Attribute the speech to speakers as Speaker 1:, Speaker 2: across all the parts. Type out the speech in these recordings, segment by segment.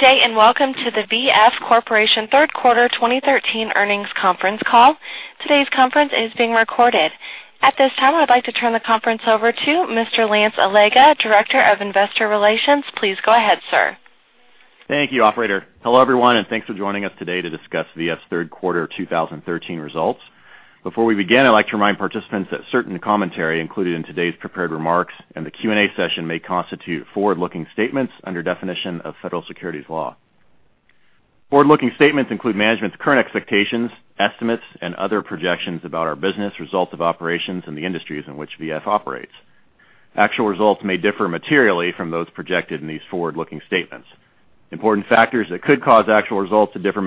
Speaker 1: Good day, welcome to the V.F. Corporation third quarter 2013 earnings conference call. Today's conference is being recorded. At this time, I'd like to turn the conference over to Mr. Lance Allega, Director of Investor Relations. Please go ahead, sir.
Speaker 2: Thank you, operator. Hello, everyone, thanks for joining us today to discuss V.F.'s third quarter 2013 results. Before we begin, I'd like to remind participants that certain commentary included in today's prepared remarks and the Q&A session may constitute forward-looking statements under definition of federal securities law. Forward-looking statements include management's current expectations, estimates, and other projections about our business results of operations in the industries in which V.F. operates. Actual results may differ materially from those projected in these forward-looking statements. Important factors that could cause actual results to differ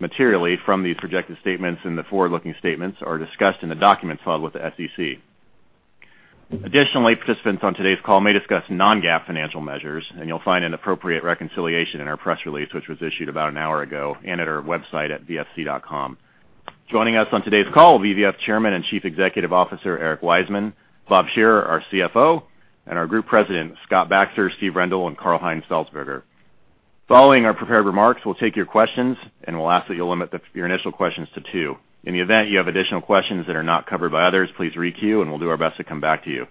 Speaker 2: materially from these projected statements in the forward-looking statements are discussed in the documents filed with the SEC. Additionally, participants on today's call may discuss non-GAAP financial measures, and you'll find an appropriate reconciliation in our press release, which was issued about an hour ago, and at our website at vfc.com. Joining us on today's call will be V.F. Chairman and Chief Executive Officer, Eric Wiseman; Bob Shearer, our CFO; and our Group President, Scott Baxter, Steve Rendle, and Karl-Heinz Salzburger. Following our prepared remarks, we'll take your questions, we'll ask that you limit your initial questions to two. In the event you have additional questions that are not covered by others, please re-queue, we'll do our best to come back to you.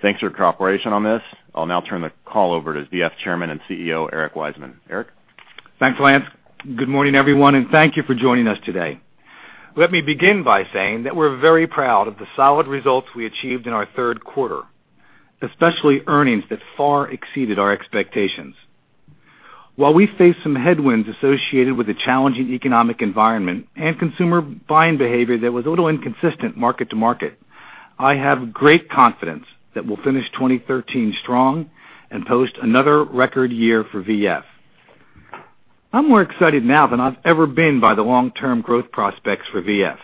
Speaker 2: Thanks for your cooperation on this. I'll now turn the call over to V.F. Chairman and CEO, Eric Wiseman. Eric?
Speaker 3: Thanks, Lance. Good morning, everyone, thank you for joining us today. Let me begin by saying that we're very proud of the solid results we achieved in our third quarter, especially earnings that far exceeded our expectations. While we face some headwinds associated with the challenging economic environment and consumer buying behavior that was a little inconsistent market to market, I have great confidence that we'll finish 2013 strong and post another record year for V.F. I'm more excited now than I've ever been by the long-term growth prospects for V.F.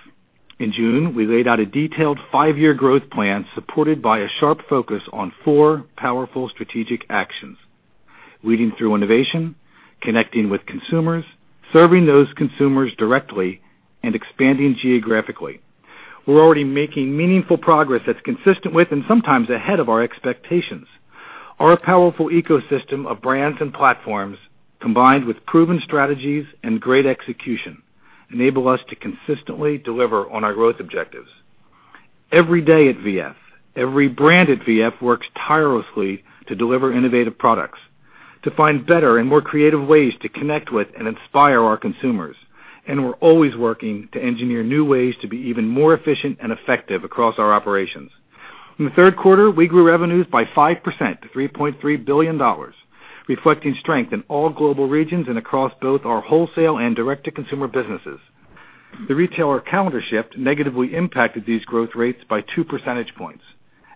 Speaker 3: In June, we laid out a detailed five-year growth plan supported by a sharp focus on four powerful strategic actions: leading through innovation, connecting with consumers, serving those consumers directly, and expanding geographically. We're already making meaningful progress that's consistent with, and sometimes ahead of our expectations. Our powerful ecosystem of brands and platforms, combined with proven strategies and great execution, enable us to consistently deliver on our growth objectives. Every day at V.F., every brand at V.F. works tirelessly to deliver innovative products, to find better and more creative ways to connect with and inspire our consumers. We're always working to engineer new ways to be even more efficient and effective across our operations. In the third quarter, we grew revenues by 5% to $3.3 billion, reflecting strength in all global regions and across both our wholesale and direct-to-consumer businesses. The retailer calendar shift negatively impacted these growth rates by two percentage points.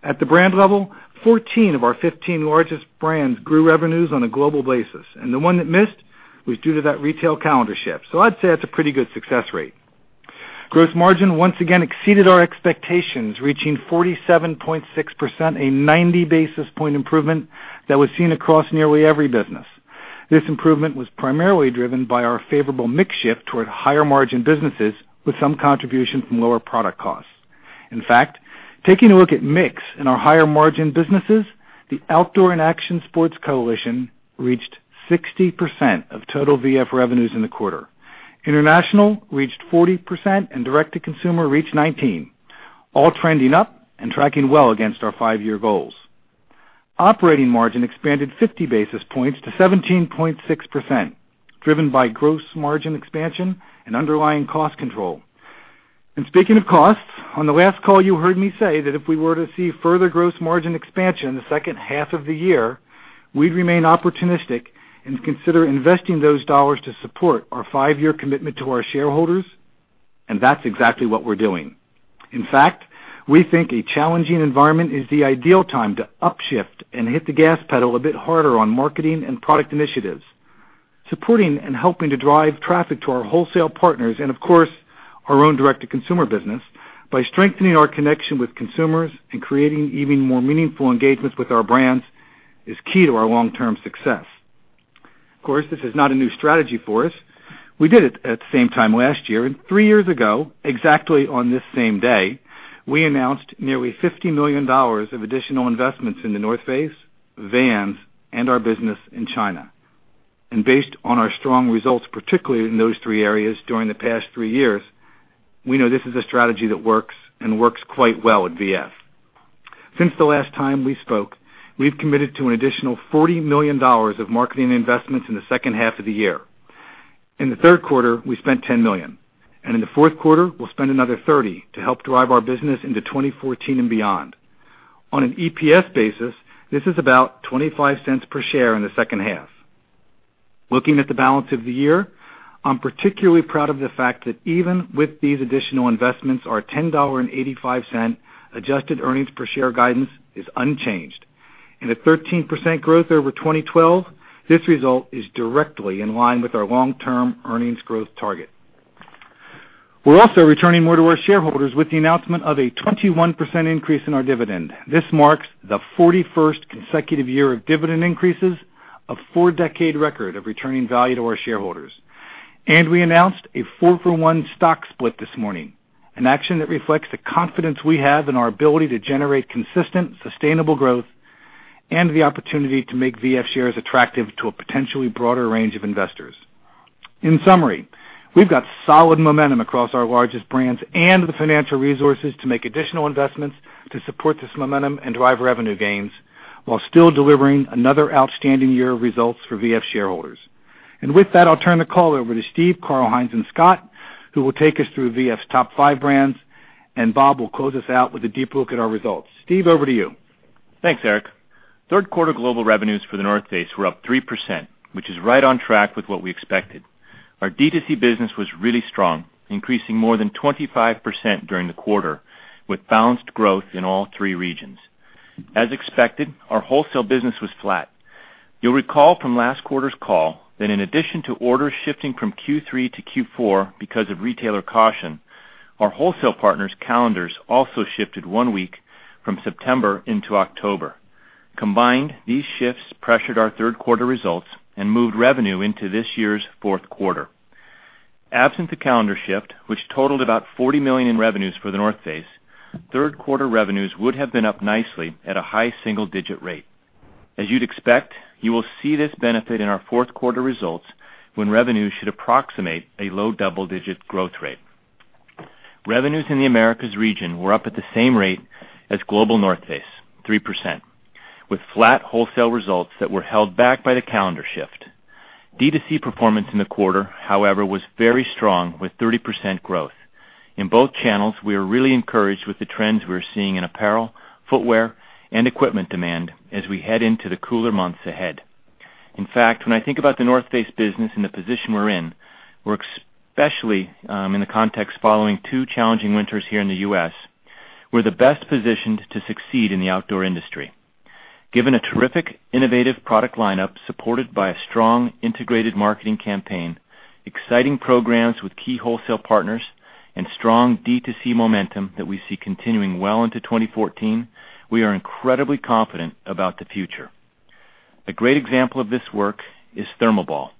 Speaker 3: At the brand level, 14 of our 15 largest brands grew revenues on a global basis, and the one that missed was due to that retail calendar shift. I'd say that's a pretty good success rate. Gross margin once again exceeded our expectations, reaching 47.6%, a 90-basis-point improvement that was seen across nearly every business. This improvement was primarily driven by our favorable mix shift toward higher-margin businesses, with some contribution from lower product costs. In fact, taking a look at mix in our higher-margin businesses, the Outdoor & Action Sports coalition reached 60% of total V.F. revenues in the quarter. International reached 40%, and direct-to-consumer reached 19%, all trending up and tracking well against our five-year goals. Operating margin expanded 50 basis points to 17.6%, driven by gross margin expansion and underlying cost control. Speaking of costs, on the last call you heard me say that if we were to see further gross margin expansion in the second half of the year, we'd remain opportunistic and consider investing those dollars to support our five-year commitment to our shareholders. That's exactly what we're doing. In fact, we think a challenging environment is the ideal time to upshift and hit the gas pedal a bit harder on marketing and product initiatives. Supporting and helping to drive traffic to our wholesale partners and of course, our own direct-to-consumer business by strengthening our connection with consumers and creating even more meaningful engagements with our brands is key to our long-term success. Of course, this is not a new strategy for us. We did it at the same time last year and three years ago, exactly on this same day, we announced nearly $50 million of additional investments in The North Face, Vans, and our business in China. Based on our strong results, particularly in those three areas during the past three years, we know this is a strategy that works and works quite well at V.F. Since the last time we spoke, we've committed to an additional $40 million of marketing investments in the second half of the year. In the third quarter, we spent $10 million. In the fourth quarter, we'll spend another $30 million to help drive our business into 2014 and beyond. On an EPS basis, this is about $0.25 per share in the second half. Looking at the balance of the year, I'm particularly proud of the fact that even with these additional investments, our $10.85 adjusted earnings per share guidance is unchanged. At 13% growth over 2012, this result is directly in line with our long-term earnings growth target. We're also returning more to our shareholders with the announcement of a 21% increase in our dividend. This marks the 41st consecutive year of dividend increases, a four-decade record of returning value to our shareholders. We announced a four-for-one stock split this morning, an action that reflects the confidence we have in our ability to generate consistent, sustainable growth and the opportunity to make V.F. shares attractive to a potentially broader range of investors. In summary, we've got solid momentum across our largest brands and the financial resources to make additional investments to support this momentum and drive revenue gains while still delivering another outstanding year of results for V.F. shareholders. With that, I'll turn the call over to Steve, Karl-Heinz, and Scott, who will take us through V.F.'s top five brands, and Bob will close us out with a deep look at our results. Steve, over to you.
Speaker 4: Thanks, Eric. Third quarter global revenues for The North Face were up 3%, which is right on track with what we expected. Our D2C business was really strong, increasing more than 25% during the quarter, with balanced growth in all three regions. As expected, our wholesale business was flat. You'll recall from last quarter's call that in addition to orders shifting from Q3 to Q4 because of retailer caution, our wholesale partners' calendars also shifted one week from September into October. Combined, these shifts pressured our third quarter results and moved revenue into this year's fourth quarter. Absent the calendar shift, which totaled about $40 million in revenues for The North Face, third quarter revenues would have been up nicely at a high single-digit rate. As you'd expect, you will see this benefit in our fourth quarter results when revenues should approximate a low double-digit growth rate. Revenues in the Americas region were up at the same rate as global The North Face, 3%, with flat wholesale results that were held back by the calendar shift. D2C performance in the quarter, however, was very strong, with 30% growth. In both channels, we are really encouraged with the trends we are seeing in apparel, footwear, and equipment demand as we head into the cooler months ahead. In fact, when I think about The North Face business and the position we're in, we're especially, in the context following two challenging winters here in the U.S., we're the best positioned to succeed in the outdoor industry. Given a terrific innovative product lineup supported by a strong integrated marketing campaign, exciting programs with key wholesale partners, and strong D2C momentum that we see continuing well into 2014, we are incredibly confident about the future. A great example of this work is ThermoBall.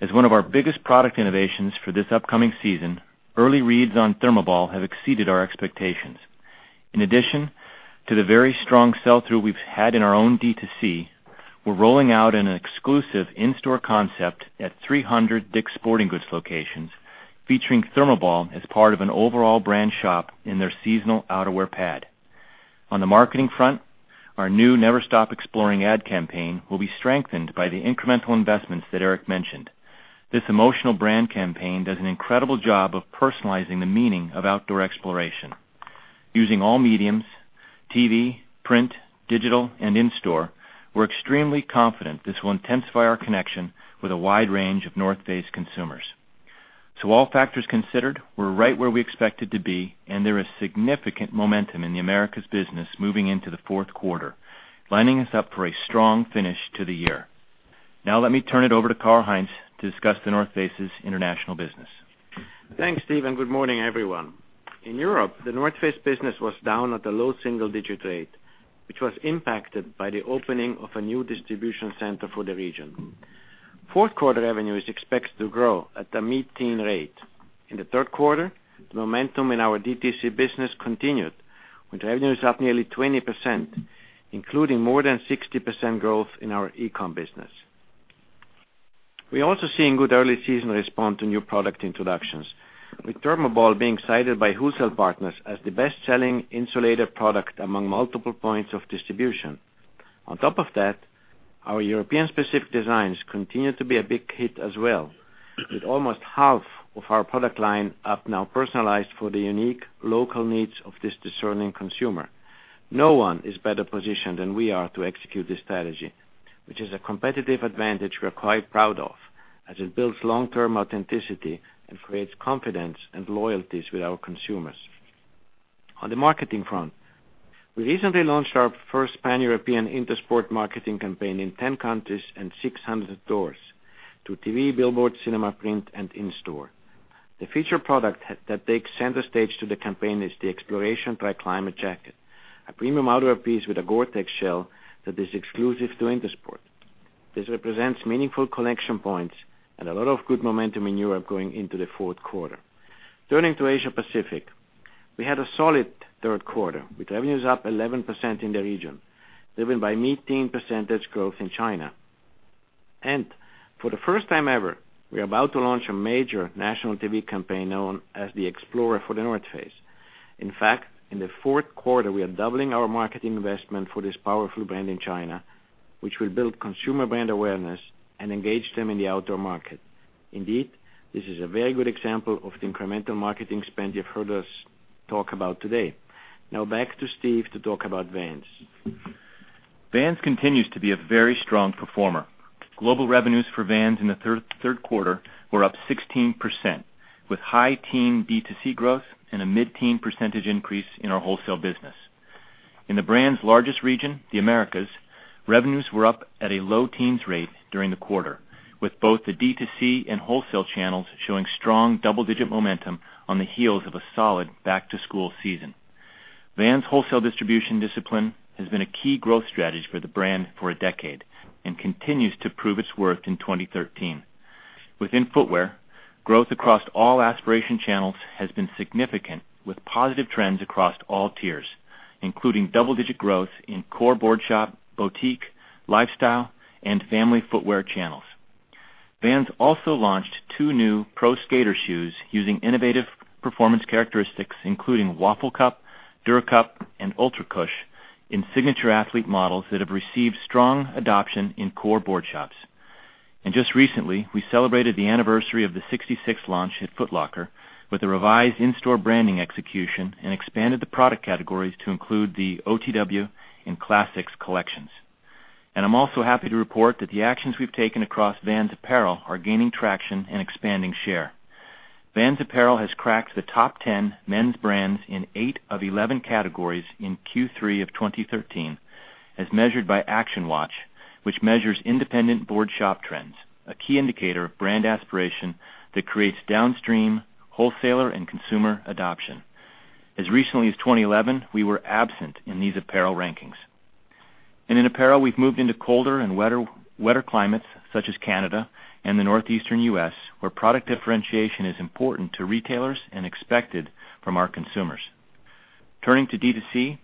Speaker 4: As one of our biggest product innovations for this upcoming season, early reads on ThermoBall have exceeded our expectations. In addition to the very strong sell-through we've had in our own D2C, we're rolling out an exclusive in-store concept at 300 Dick's Sporting Goods locations, featuring ThermoBall as part of an overall brand shop in their seasonal outerwear pad. On the marketing front, our new Never Stop Exploring ad campaign will be strengthened by the incremental investments that Eric mentioned. This emotional brand campaign does an incredible job of personalizing the meaning of outdoor exploration. Using all mediums, TV, print, digital, and in-store, we're extremely confident this will intensify our connection with a wide range of The North Face consumers. All factors considered, we're right where we expected to be, and there is significant momentum in the Americas business moving into the fourth quarter, lining us up for a strong finish to the year. Let me turn it over to Karl-Heinz to discuss The North Face's international business.
Speaker 5: Thanks, Steve, and good morning, everyone. In Europe, The North Face business was down at a low single-digit rate, which was impacted by the opening of a new distribution center for the region. Fourth quarter revenue is expected to grow at a mid-teen rate. In the third quarter, momentum in our DTC business continued, with revenues up nearly 20%, including more than 60% growth in our e-com business. We're also seeing good early season response to new product introductions, with ThermoBall being cited by wholesale partners as the best-selling insulated product among multiple points of distribution. On top of that, our European-specific designs continue to be a big hit as well, with almost half of our product line up now personalized for the unique local needs of this discerning consumer. No one is better positioned than we are to execute this strategy, which is a competitive advantage we are quite proud of, as it builds long-term authenticity and creates confidence and loyalties with our consumers. On the marketing front, we recently launched our first pan-European Intersport marketing campaign in 10 countries and 600 stores through TV, billboard, cinema, print, and in-store. The featured product that takes center stage to the campaign is the Exploration Triclimate Jacket, a premium outerwear piece with a GORE-TEX shell that is exclusive to Intersport. This represents meaningful connection points and a lot of good momentum in Europe going into the fourth quarter. Turning to Asia Pacific, we had a solid third quarter, with revenues up 11% in the region, driven by mid-teen percentage growth in China. For the first time ever, we are about to launch a major national TV campaign known as The Explorer for The North Face. In fact, in the fourth quarter, we are doubling our marketing investment for this powerful brand in China, which will build consumer brand awareness and engage them in the outdoor market. Indeed, this is a very good example of the incremental marketing spend you've heard us talk about today. Back to Steve to talk about Vans.
Speaker 4: Vans continues to be a very strong performer. Global revenues for Vans in the third quarter were up 16%, with high teen D2C growth and a mid-teen percentage increase in our wholesale business. In the brand's largest region, the Americas, revenues were up at a low teens rate during the quarter, with both the D2C and wholesale channels showing strong double-digit momentum on the heels of a solid back-to-school season. Vans wholesale distribution discipline has been a key growth strategy for the brand for a decade and continues to prove its worth in 2013. Within footwear, growth across all aspiration channels has been significant, with positive trends across all tiers, including double-digit growth in core board shop, boutique, lifestyle, and family footwear channels. Vans also launched two new pro skater shoes using innovative performance characteristics, including WaffleCup, DuraCap, and UltraCush in signature athlete models that have received strong adoption in core board shops. Just recently, we celebrated the anniversary of the 66 launch at Foot Locker with a revised in-store branding execution and expanded the product categories to include the OTW and Classics collections. I'm also happy to report that the actions we've taken across Vans apparel are gaining traction and expanding share. Vans apparel has cracked the top 10 men's brands in 8 of 11 categories in Q3 of 2013, as measured by ActionWatch, which measures independent board shop trends, a key indicator of brand aspiration that creates downstream wholesaler and consumer adoption. As recently as 2011, we were absent in these apparel rankings. In apparel, we've moved into colder and wetter climates such as Canada and the Northeastern U.S., where product differentiation is important to retailers and expected from our consumers. Turning to D2C,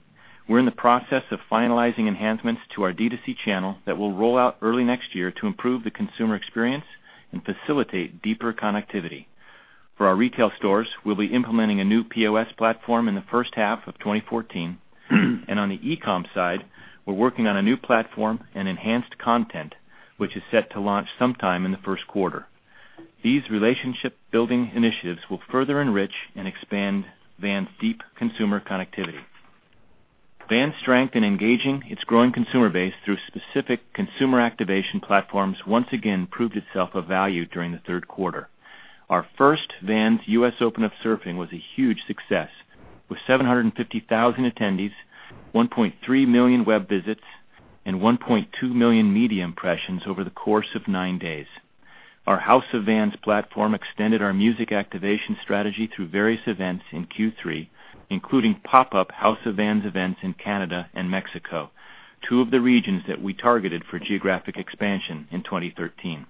Speaker 4: we're in the process of finalizing enhancements to our D2C channel that will roll out early next year to improve the consumer experience and facilitate deeper connectivity. For our retail stores, we'll be implementing a new POS platform in the first half of 2014, and on the e-com side, we're working on a new platform and enhanced content, which is set to launch sometime in the first quarter. These relationship-building initiatives will further enrich and expand Vans' deep consumer connectivity. Vans' strength in engaging its growing consumer base through specific consumer activation platforms once again proved itself of value during the third quarter. Our first Vans US Open of Surfing was a huge success, with 750,000 attendees, 1.3 million web visits, and 1.2 million media impressions over the course of nine days. Our House of Vans platform extended our music activation strategy through various events in Q3, including pop-up House of Vans events in Canada and Mexico, two of the regions that we targeted for geographic expansion in 2013.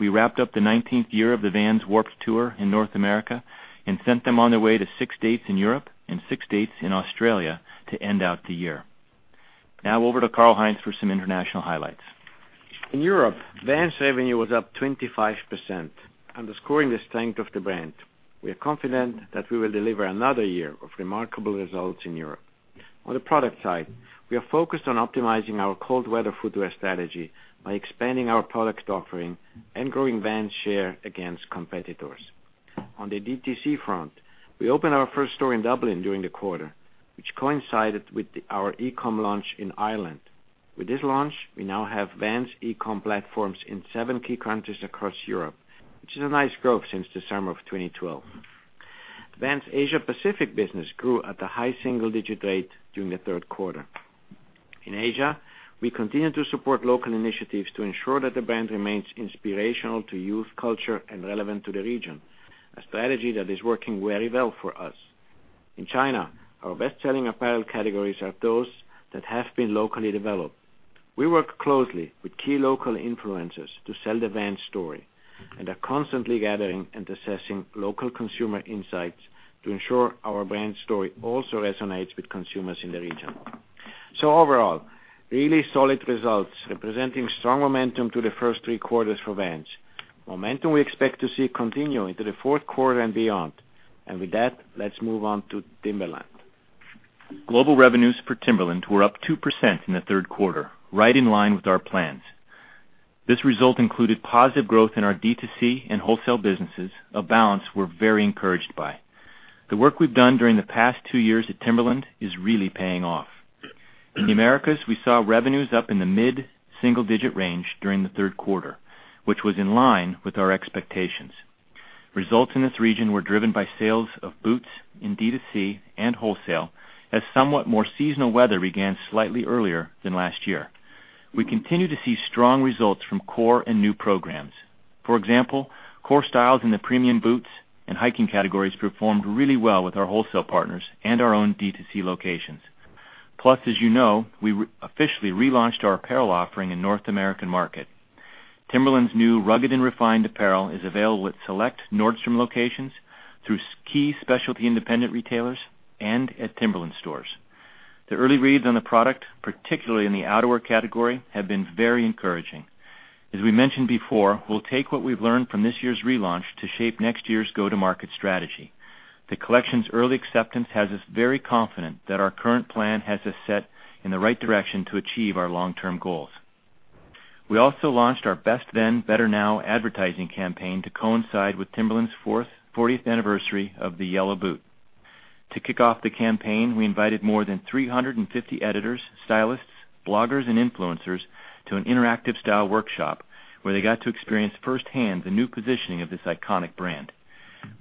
Speaker 4: We wrapped up the 19th year of the Vans Warped Tour in North America and sent them on their way to six states in Europe and six states in Australia to end out the year. Over to Karl-Heinz for some international highlights.
Speaker 5: In Europe, Vans revenue was up 25%, underscoring the strength of the brand. We are confident that we will deliver another year of remarkable results in Europe. On the product side, we are focused on optimizing our cold weather footwear strategy by expanding our product offering and growing Vans' share against competitors. On the D2C front, we opened our first store in Dublin during the quarter, which coincided with our e-com launch in Ireland. With this launch, we now have Vans e-com platforms in seven key countries across Europe, which is a nice growth since the summer of 2012. Vans' Asia Pacific business grew at a high single-digit rate during the third quarter. In Asia, we continue to support local initiatives to ensure that the brand remains inspirational to youth culture and relevant to the region, a strategy that is working very well for us. Overall, really solid results representing strong momentum to the first three quarters for Vans, momentum we expect to see continue into the fourth quarter and beyond. With that, let's move on to Timberland.
Speaker 4: Global revenues for Timberland were up 2% in the third quarter, right in line with our plans. This result included positive growth in our D2C and wholesale businesses, a balance we're very encouraged by. The work we've done during the past two years at Timberland is really paying off. In the Americas, we saw revenues up in the mid-single digit range during the third quarter, which was in line with our expectations. Results in this region were driven by sales of boots in D2C and wholesale as somewhat more seasonal weather began slightly earlier than last year. We continue to see strong results from core and new programs. For example, core styles in the premium boots and hiking categories performed really well with our wholesale partners and our own D2C locations. Plus, as you know, we officially relaunched our apparel offering in North American market. Timberland's new rugged and refined apparel is available at select Nordstrom locations, through key specialty independent retailers, and at Timberland stores. The early reads on the product, particularly in the outerwear category, have been very encouraging. As we mentioned before, we'll take what we've learned from this year's relaunch to shape next year's go-to-market strategy. The collection's early acceptance has us very confident that our current plan has us set in the right direction to achieve our long-term goals. We also launched our Best Then, Better Now advertising campaign to coincide with Timberland's 40th anniversary of the Yellow Boot. To kick off the campaign, we invited more than 350 editors, stylists, bloggers, and influencers to an interactive style workshop where they got to experience firsthand the new positioning of this iconic brand.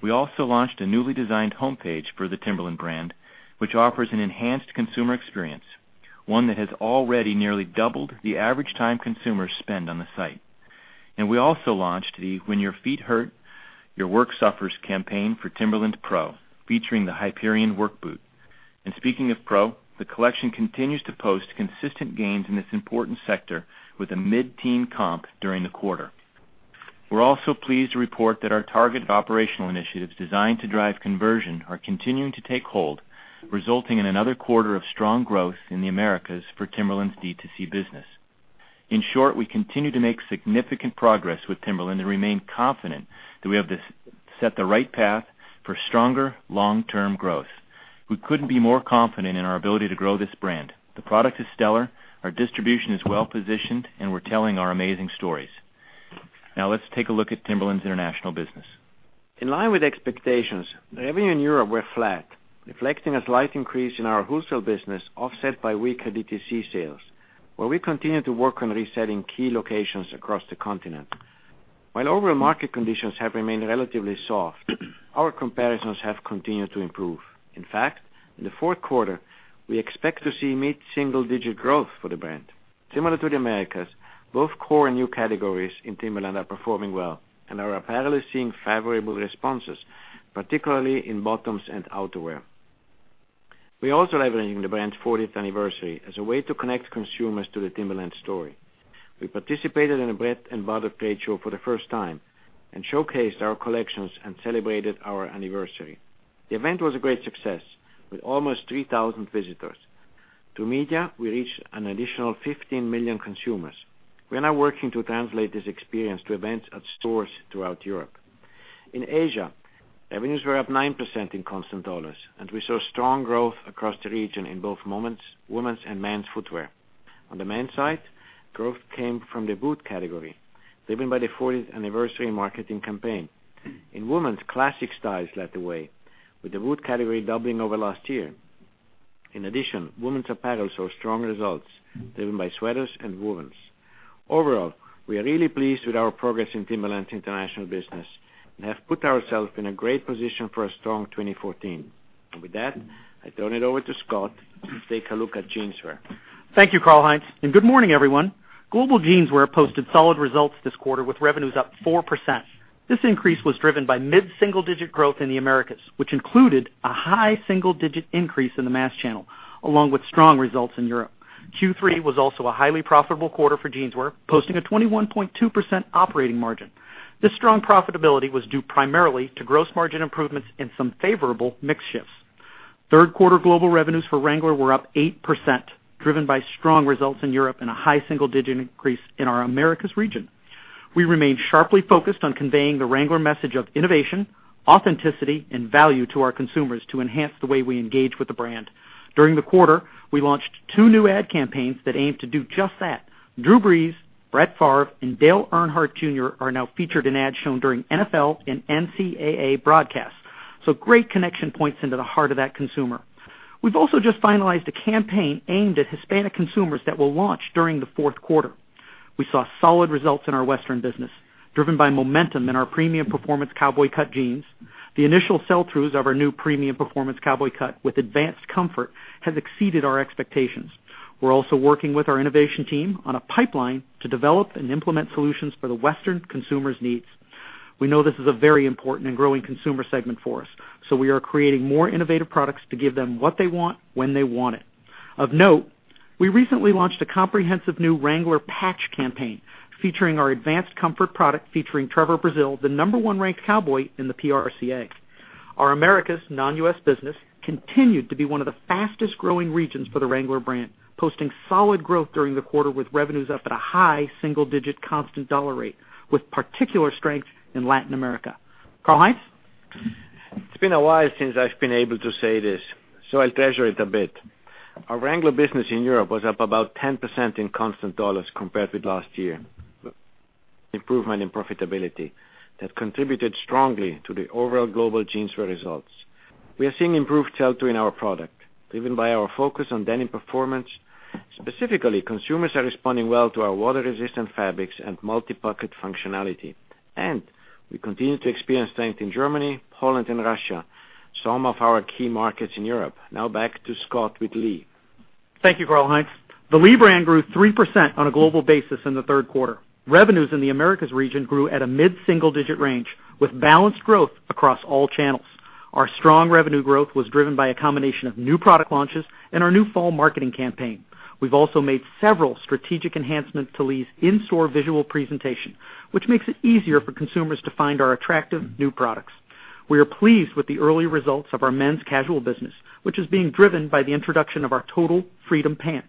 Speaker 4: We also launched a newly designed homepage for the Timberland brand, which offers an enhanced consumer experience, one that has already nearly doubled the average time consumers spend on the site. We also launched the "When Your Feet Hurt, Your Work Suffers" campaign for Timberland PRO, featuring the Hyperion work boot. Speaking of PRO, the collection continues to post consistent gains in this important sector with a mid-teen comp during the quarter. We are also pleased to report that our targeted operational initiatives designed to drive conversion are continuing to take hold, resulting in another quarter of strong growth in the Americas for Timberland's D2C business. In short, we continue to make significant progress with Timberland and remain confident that we have set the right path for stronger long-term growth. We couldn't be more confident in our ability to grow this brand. The product is stellar, our distribution is well-positioned, and we're telling our amazing stories. Now let's take a look at Timberland's international business.
Speaker 5: In line with expectations, revenue in Europe were flat, reflecting a slight increase in our wholesale business, offset by weaker D2C sales, where we continue to work on resetting key locations across the continent. While overall market conditions have remained relatively soft, our comparisons have continued to improve. In fact, in the fourth quarter, we expect to see mid-single digit growth for the brand. Similar to the Americas, both core and new categories in Timberland are performing well and are apparently seeing favorable responses, particularly in bottoms and outerwear. We are also leveraging the brand's 40th anniversary as a way to connect consumers to the Timberland story. We participated in the Bread & Butter trade show for the first time and showcased our collections and celebrated our anniversary. The event was a great success with almost 3,000 visitors. Through media, we reached an additional 15 million consumers. We are now working to translate this experience to events at stores throughout Europe. In Asia, revenues were up 9% in constant dollars, and we saw strong growth across the region in both women's and men's footwear. On the men's side, growth came from the boot category, driven by the 40th anniversary marketing campaign. In women's, classic styles led the way, with the boot category doubling over last year. In addition, women's apparel saw strong results driven by sweaters and wovens. Overall, we are really pleased with our progress in Timberland's international business and have put ourselves in a great position for a strong 2014. With that, I turn it over to Scott to take a look at Jeanswear.
Speaker 6: Thank you, Karl-Heinz, and good morning, everyone. Global Jeanswear posted solid results this quarter with revenues up 4%. This increase was driven by mid-single-digit growth in the Americas, which included a high single-digit increase in the mass channel, along with strong results in Europe. Q3 was also a highly profitable quarter for Jeanswear, posting a 21.2% operating margin. This strong profitability was due primarily to gross margin improvements and some favorable mix shifts. Third quarter global revenues for Wrangler were up 8%, driven by strong results in Europe and a high single-digit increase in our Americas region. We remain sharply focused on conveying the Wrangler message of innovation, authenticity, and value to our consumers to enhance the way we engage with the brand. During the quarter, we launched two new ad campaigns that aim to do just that. Great connection points into the heart of that consumer. We've also just finalized a campaign aimed at Hispanic consumers that will launch during the fourth quarter. We saw solid results in our Western business, driven by momentum in our premium performance cowboy cut jeans. The initial sell-throughs of our new premium performance cowboy cut with advanced comfort has exceeded our expectations. We're also working with our innovation team on a pipeline to develop and implement solutions for the Western consumer's needs. We know this is a very important and growing consumer segment for us. We are creating more innovative products to give them what they want, when they want it.
Speaker 4: Of note, we recently launched a comprehensive new Wrangler patch campaign featuring our advanced comfort product featuring Trevor Brazile, the number 1 ranked cowboy in the PRCA. Our Americas non-U.S. business continued to be one of the fastest-growing regions for the Wrangler brand, posting solid growth during the quarter with revenues up at a high single-digit constant dollar rate, with particular strength in Latin America. Karl-Heinz?
Speaker 5: It's been a while since I've been able to say this. I'll treasure it a bit. Our Wrangler business in Europe was up about 10% in constant dollars compared with last year. Improvement in profitability that contributed strongly to the overall global Jeanswear results. We are seeing improved sell-through in our product, driven by our focus on denim performance. Specifically, consumers are responding well to our water-resistant fabrics and multi-pocket functionality. We continue to experience strength in Germany, Poland, and Russia, some of our key markets in Europe. Now back to Scott with Lee.
Speaker 6: Thank you, Karl-Heinz. The Lee brand grew 3% on a global basis in the third quarter. Revenues in the Americas region grew at a mid-single digit range with balanced growth across all channels. Our strong revenue growth was driven by a combination of new product launches and our new fall marketing campaign. We've also made several strategic enhancements to Lee's in-store visual presentation, which makes it easier for consumers to find our attractive new products. We are pleased with the early results of our men's casual business, which is being driven by the introduction of our Total Freedom pant.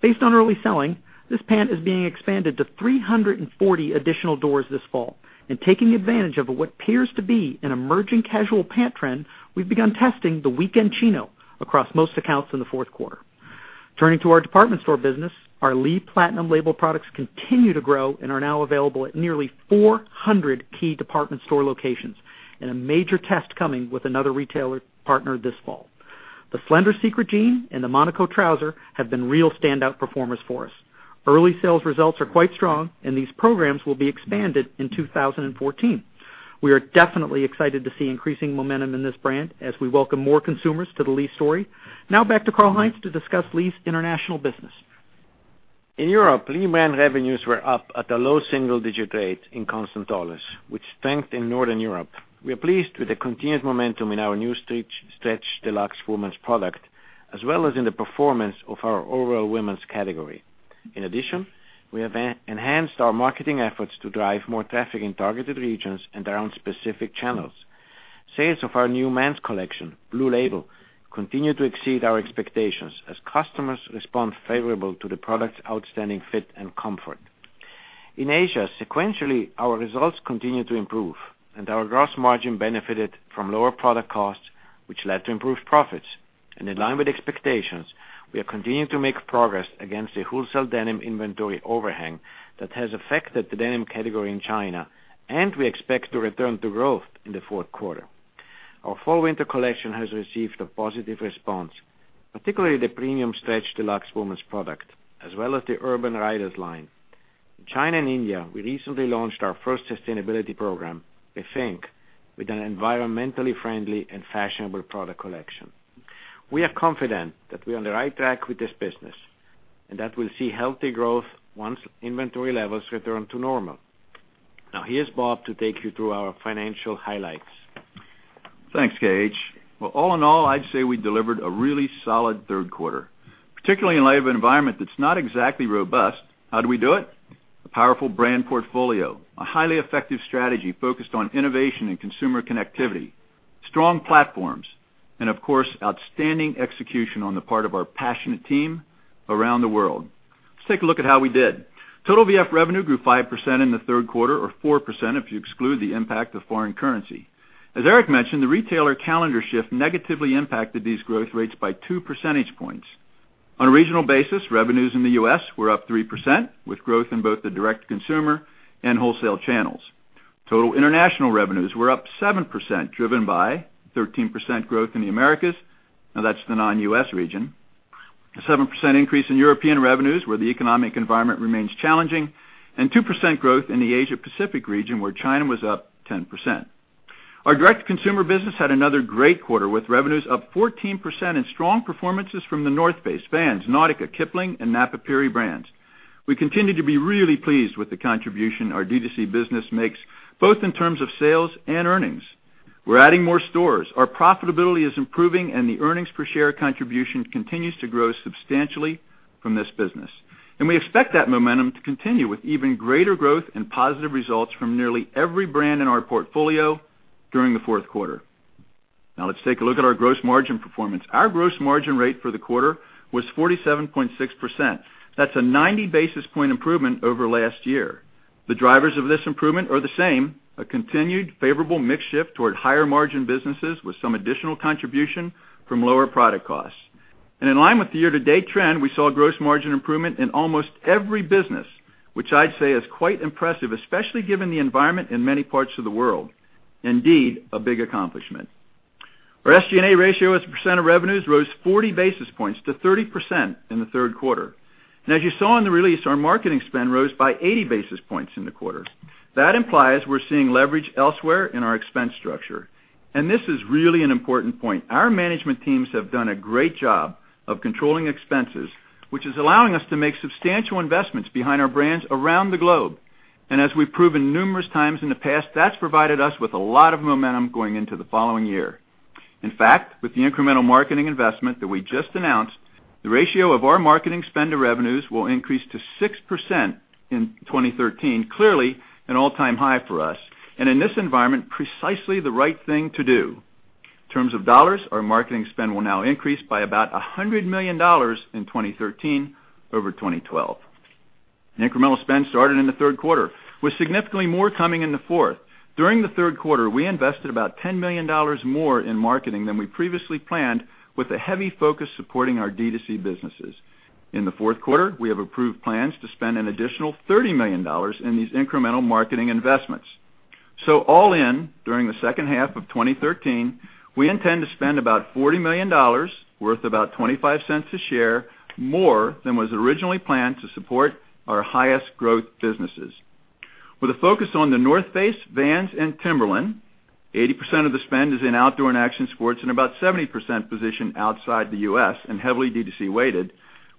Speaker 6: Based on early selling, this pant is being expanded to 340 additional doors this fall. Taking advantage of what appears to be an emerging casual pant trend, we've begun testing the Weekend Chino across most accounts in the fourth quarter.
Speaker 4: Turning to our department store business, our Lee Platinum Label products continue to grow and are now available at nearly 400 key department store locations, a major test coming with another retailer partner this fall. The Slender Secret jean and the Monaco trouser have been real standout performers for us. Early sales results are quite strong, these programs will be expanded in 2014.
Speaker 6: We are definitely excited to see increasing momentum in this brand as we welcome more consumers to the Lee story. Now back to Karl-Heinz to discuss Lee's international business.
Speaker 5: In Europe, Lee brand revenues were up at a low single-digit rate in constant dollars, with strength in Northern Europe. We are pleased with the continued momentum in our new Stretch Deluxe women's product, as well as in the performance of our overall women's category. In addition, we have enhanced our marketing efforts to drive more traffic in targeted regions and around specific channels. Sales of our new men's collection, Blue Label, continue to exceed our expectations as customers respond favorable to the product's outstanding fit and comfort. In Asia, sequentially, our results continue to improve, our gross margin benefited from lower product costs, which led to improved profits. In line with expectations, we are continuing to make progress against the wholesale denim inventory overhang that has affected the denim category in China, we expect to return to growth in the fourth quarter. Our fall-winter collection has received a positive response, particularly the premium Stretch Deluxe women's product, as well as the Urban Riders line. In China and India, we recently launched our first sustainability program, Rethink, with an environmentally friendly and fashionable product collection. We are confident that we're on the right track with this business, and that we'll see healthy growth once inventory levels return to normal. Here's Bob to take you through our financial highlights.
Speaker 7: Thanks, KH. Well, all in all, I'd say we delivered a really solid third quarter, particularly in light of environment that's not exactly robust. How did we do it? A powerful brand portfolio. A highly effective strategy focused on innovation and consumer connectivity. Strong platforms. Of course, outstanding execution on the part of our passionate team around the world. Let's take a look at how we did. Total VF revenue grew 5% in the third quarter, or 4% if you exclude the impact of foreign currency. As Eric mentioned, the retailer calendar shift negatively impacted these growth rates by two percentage points. On a regional basis, revenues in the U.S. were up 3%, with growth in both the direct-to-consumer and wholesale channels. Total international revenues were up 7%, driven by 13% growth in the Americas. That's the non-U.S. region. A 7% increase in European revenues, where the economic environment remains challenging, and 2% growth in the Asia Pacific region, where China was up 10%. Our direct-to-consumer business had another great quarter, with revenues up 14% and strong performances from The North Face, Vans, Nautica, Kipling, and Napapijri brands. We continue to be really pleased with the contribution our D2C business makes, both in terms of sales and earnings. We're adding more stores, our profitability is improving, and the earnings per share contribution continues to grow substantially from this business. We expect that momentum to continue with even greater growth and positive results from nearly every brand in our portfolio during the fourth quarter. Let's take a look at our gross margin performance. Our gross margin rate for the quarter was 47.6%. That's a 90 basis points improvement over last year. The drivers of this improvement are the same, a continued favorable mix shift toward higher-margin businesses with some additional contribution from lower product costs. In line with the year-to-date trend, we saw a gross margin improvement in almost every business, which I'd say is quite impressive, especially given the environment in many parts of the world. Indeed, a big accomplishment. Our SG&A ratio as a percent of revenues rose 40 basis points to 30% in the third quarter. As you saw in the release, our marketing spend rose by 80 basis points in the quarter. That implies we're seeing leverage elsewhere in our expense structure. This is really an important point. Our management teams have done a great job of controlling expenses, which is allowing us to make substantial investments behind our brands around the globe. As we've proven numerous times in the past, that's provided us with a lot of momentum going into the following year. With the incremental marketing investment that we just announced, the ratio of our marketing spend to revenues will increase to 6% in 2013. Clearly, an all-time high for us. In this environment, precisely the right thing to do. In terms of dollars, our marketing spend will now increase by about $100 million in 2013 over 2012. The incremental spend started in the third quarter, with significantly more coming in the fourth quarter. During the third quarter, we invested about $10 million more in marketing than we previously planned, with a heavy focus supporting our D2C businesses. In the fourth quarter, we have approved plans to spend an additional $30 million in these incremental marketing investments. All in, during the second half of 2013, we intend to spend about $40 million, worth about $0.25 a share, more than was originally planned to support our highest growth businesses. With a focus on The North Face, Vans, and Timberland, 80% of the spend is in Outdoor & Action Sports and about 70% positioned outside the U.S. and heavily D2C-weighted.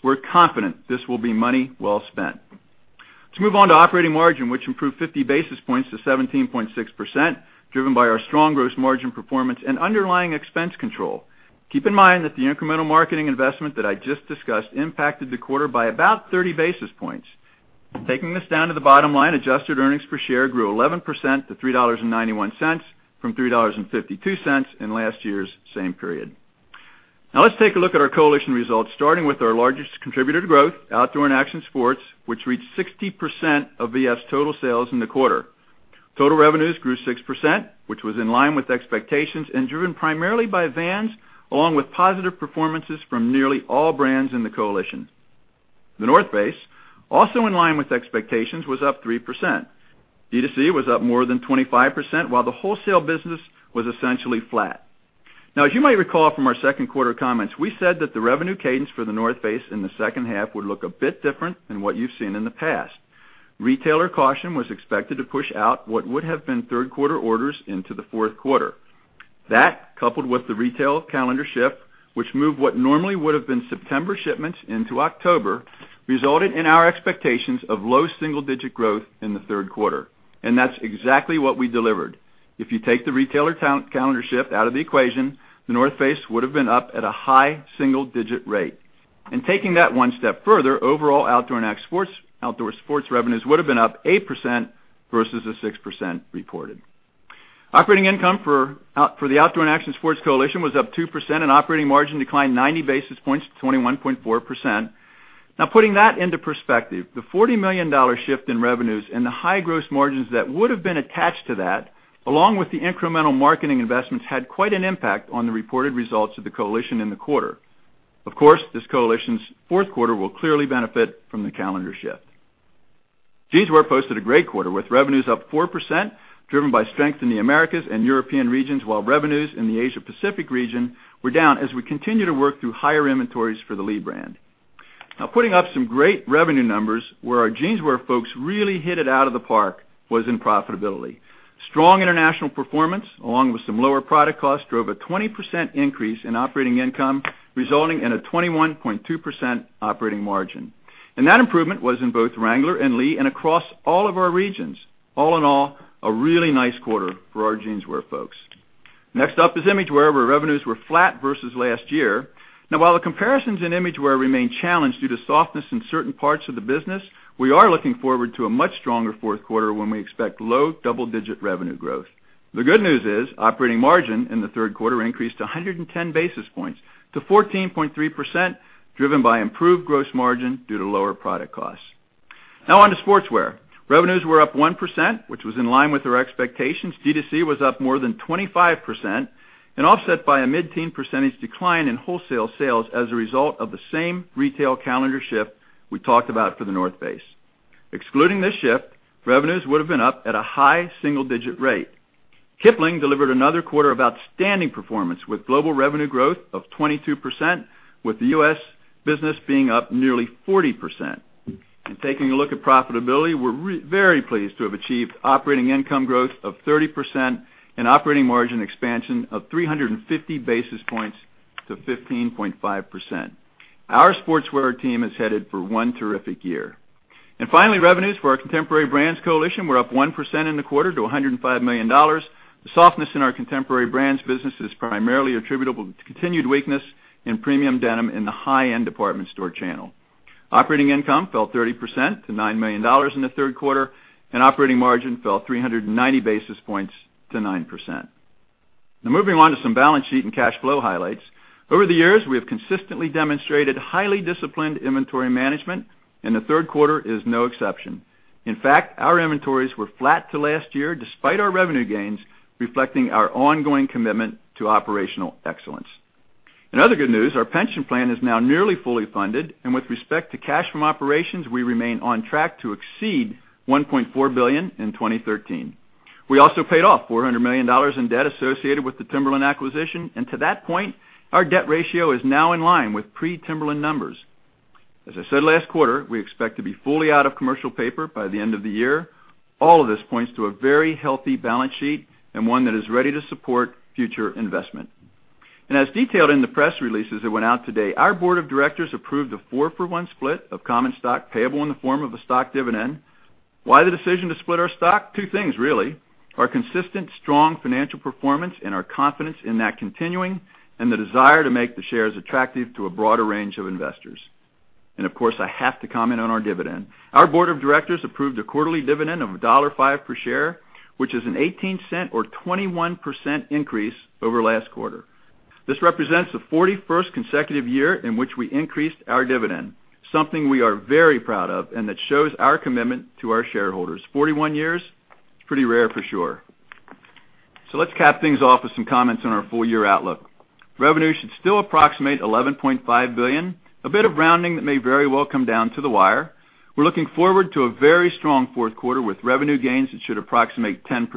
Speaker 7: We're confident this will be money well spent. Let's move on to operating margin, which improved 50 basis points to 17.6%, driven by our strong gross margin performance and underlying expense control. Keep in mind that the incremental marketing investment that I just discussed impacted the quarter by about 30 basis points. Taking this down to the bottom line, adjusted earnings per share grew 11% to $3.91 from $3.52 in last year's same period. Let's take a look at our coalition results, starting with our largest contributor to growth, Outdoor & Action Sports, which reached 60% of VF's total sales in the quarter. Total revenues grew 6%, which was in line with expectations and driven primarily by Vans, along with positive performances from nearly all brands in the coalition. The North Face, also in line with expectations, was up 3%. D2C was up more than 25%, while the wholesale business was essentially flat. As you might recall from our second quarter comments, we said that the revenue cadence for The North Face in the second half would look a bit different than what you've seen in the past. Retailer caution was expected to push out what would have been third quarter orders into the fourth quarter. That, coupled with the retail calendar shift, which moved what normally would have been September shipments into October, resulted in our expectations of low single-digit growth in the third quarter. That's exactly what we delivered. If you take the retailer calendar shift out of the equation, The North Face would've been up at a high single-digit rate. Taking that one step further, overall Outdoor & Action Sports revenues would've been up 8% versus the 6% reported. Operating income for the Outdoor & Action Sports coalition was up 2% and operating margin declined 90 basis points to 21.4%. Putting that into perspective, the $40 million shift in revenues and the high gross margins that would've been attached to that, along with the incremental marketing investments, had quite an impact on the reported results of the coalition in the quarter. This coalition's fourth quarter will clearly benefit from the calendar shift. Jeanswear posted a great quarter, with revenues up 4%, driven by strength in the Americas and European regions, while revenues in the Asia Pacific region were down as we continue to work through higher inventories for the Lee brand. Putting up some great revenue numbers where our Jeanswear folks really hit it out of the park was in profitability. Strong international performance, along with some lower product costs, drove a 20% increase in operating income, resulting in a 21.2% operating margin. That improvement was in both Wrangler and Lee and across all of our regions. All in all, a really nice quarter for our Jeanswear folks. Next up is Imagewear, where revenues were flat versus last year. While the comparisons in Imagewear remain challenged due to softness in certain parts of the business, we are looking forward to a much stronger fourth quarter when we expect low double-digit revenue growth. The good news is operating margin in the third quarter increased to 110 basis points to 14.3%, driven by improved gross margin due to lower product costs. On to Sportswear. Revenues were up 1%, which was in line with our expectations. D2C was up more than 25%, offset by a mid-teen percentage decline in wholesale sales as a result of the same retail calendar shift we talked about for The North Face. Excluding this shift, revenues would've been up at a high single-digit rate. Kipling delivered another quarter of outstanding performance, with global revenue growth of 22%, with the U.S. business being up nearly 40%. Taking a look at profitability, we're very pleased to have achieved operating income growth of 30% and operating margin expansion of 350 basis points to 15.5%. Our Sportswear team is headed for one terrific year. Finally, revenues for our Contemporary Brands coalition were up 1% in the quarter to $105 million. The softness in our Contemporary Brands business is primarily attributable to continued weakness in premium denim in the high-end department store channel. Operating income fell 30% to $9 million in the third quarter, and operating margin fell 390 basis points to 9%. Moving on to some balance sheet and cash flow highlights. Over the years, we have consistently demonstrated highly disciplined inventory management, and the third quarter is no exception. In fact, our inventories were flat to last year despite our revenue gains, reflecting our ongoing commitment to operational excellence. In other good news, our pension plan is now nearly fully funded, with respect to cash from operations, we remain on track to exceed $1.4 billion in 2013. We also paid off $400 million in debt associated with the Timberland acquisition. To that point, our debt ratio is now in line with pre-Timberland numbers. As I said last quarter, we expect to be fully out of commercial paper by the end of the year. All of this points to a very healthy balance sheet and one that is ready to support future investment. As detailed in the press releases that went out today, our board of directors approved a four-for-one split of common stock payable in the form of a stock dividend. Why the decision to split our stock? Two things, really. Our consistent strong financial performance and our confidence in that continuing and the desire to make the shares attractive to a broader range of investors. Of course, I have to comment on our dividend. Our board of directors approved a quarterly dividend of $1.05 per share, which is an $0.18 or 21% increase over last quarter. This represents the 41st consecutive year in which we increased our dividend, something we are very proud of and that shows our commitment to our shareholders. 41 years, it's pretty rare for sure. Let's cap things off with some comments on our full-year outlook. Revenue should still approximate $11.5 billion, a bit of rounding that may very well come down to the wire. We're looking forward to a very strong fourth quarter with revenue gains that should approximate 10%.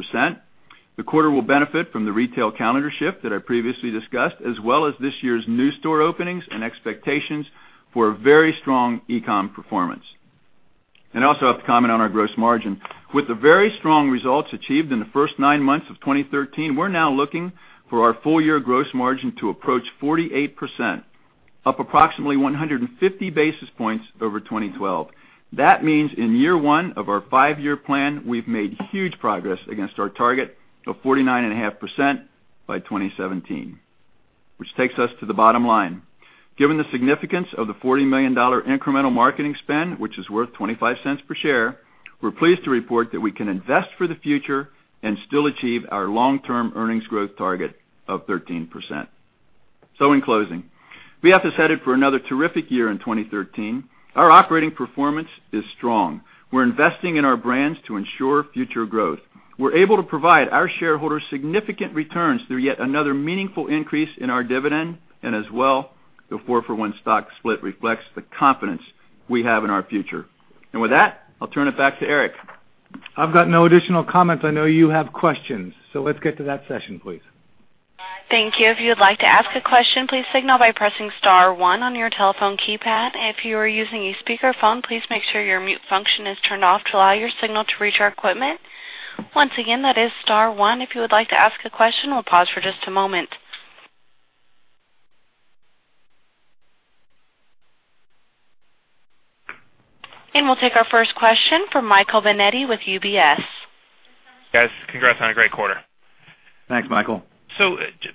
Speaker 7: The quarter will benefit from the retail calendar shift that I previously discussed, as well as this year's new store openings and expectations for a very strong e-com performance. I also have to comment on our gross margin. With the very strong results achieved in the first nine months of 2013, we're now looking for our full-year gross margin to approach 48%, up approximately 150 basis points over 2012. That means in year one of our five-year plan, we've made huge progress against our target of 49.5% by 2017. Which takes us to the bottom line. Given the significance of the $40 million incremental marketing spend, which is worth $0.25 per share, we're pleased to report that we can invest for the future and still achieve our long-term earnings growth target of 13%. In closing, V.F. is headed for another terrific year in 2013. Our operating performance is strong. We're investing in our brands to ensure future growth. We're able to provide our shareholders significant returns through yet another meaningful increase in our dividend, and as well, the 4-for-1 stock split reflects the confidence we have in our future. With that, I'll turn it back to Eric. I've got no additional comments. I know you have questions, let's get to that session, please.
Speaker 1: Thank you. If you would like to ask a question, please signal by pressing star 1 on your telephone keypad. If you are using a speakerphone, please make sure your mute function is turned off to allow your signal to reach our equipment. Once again, that is star 1 if you would like to ask a question. We'll pause for just a moment. We'll take our first question from Michael Binetti with UBS.
Speaker 8: Guys, congrats on a great quarter.
Speaker 7: Thanks, Michael.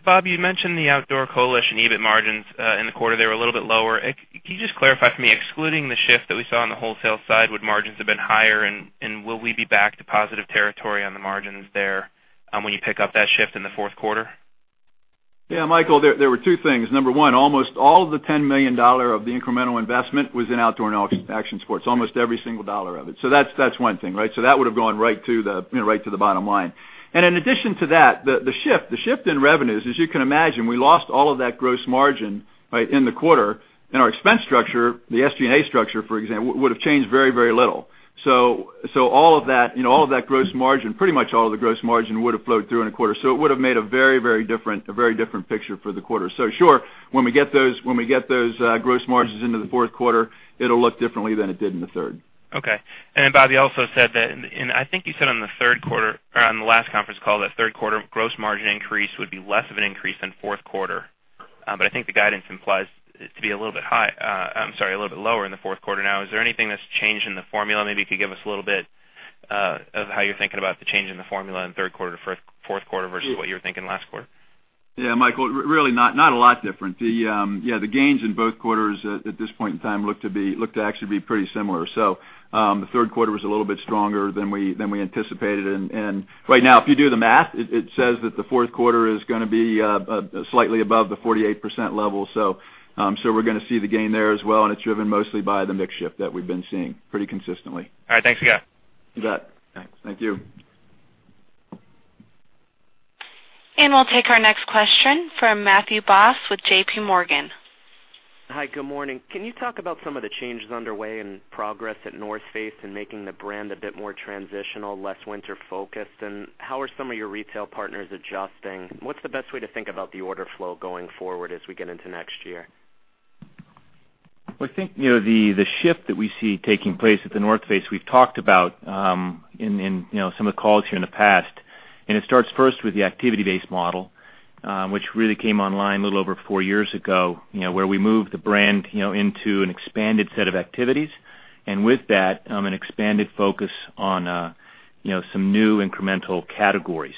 Speaker 8: Bob, you mentioned the Outdoor Coalition EBIT margins in the quarter, they were a little bit lower. Can you just clarify for me, excluding the shift that we saw on the wholesale side, would margins have been higher? Will we be back to positive territory on the margins there, when you pick up that shift in the fourth quarter?
Speaker 7: Michael, there were two things. Number one, almost all the $10 million of the incremental investment was in Outdoor & Action Sports, almost every single dollar of it. That's one thing, right? That would've gone right to the bottom line. In addition to that, the shift in revenues, as you can imagine, we lost all of that gross margin in the quarter, and our expense structure, the SG&A structure, for example, would've changed very little. All of that gross margin, pretty much all of the gross margin would've flowed through in a quarter. Sure, when we get those gross margins into the fourth quarter, it'll look differently than it did in the third.
Speaker 8: Okay. Bob, you also said that, I think you said on the last conference call, that third quarter gross margin increase would be less of an increase than fourth quarter. I think the guidance implies it to be a little bit lower in the fourth quarter now. Is there anything that's changed in the formula? Maybe you could give us a little bit of how you're thinking about the change in the formula in the third quarter to fourth quarter versus what you were thinking last quarter.
Speaker 7: Yeah, Michael, really not a lot different. The gains in both quarters at this point in time look to actually be pretty similar. The third quarter was a little bit stronger than we anticipated, and right now if you do the math, it says that the fourth quarter is going to be slightly above the 48% level. We're going to see the gain there as well, and it's driven mostly by the mix shift that we've been seeing pretty consistently.
Speaker 8: All right. Thanks a lot.
Speaker 7: You bet.
Speaker 8: Thanks.
Speaker 7: Thank you.
Speaker 1: We'll take our next question from Matthew Boss with J.P. Morgan.
Speaker 9: Hi, good morning. Can you talk about some of the changes underway and progress at The North Face in making the brand a bit more transitional, less winter-focused? How are some of your retail partners adjusting? What's the best way to think about the order flow going forward as we get into next year?
Speaker 4: I think, the shift that we see taking place at The North Face, we've talked about in some of the calls here in the past. It starts first with the activity-based model, which really came online a little over four years ago. Where we moved the brand into an expanded set of activities. With that, an expanded focus on some new incremental categories.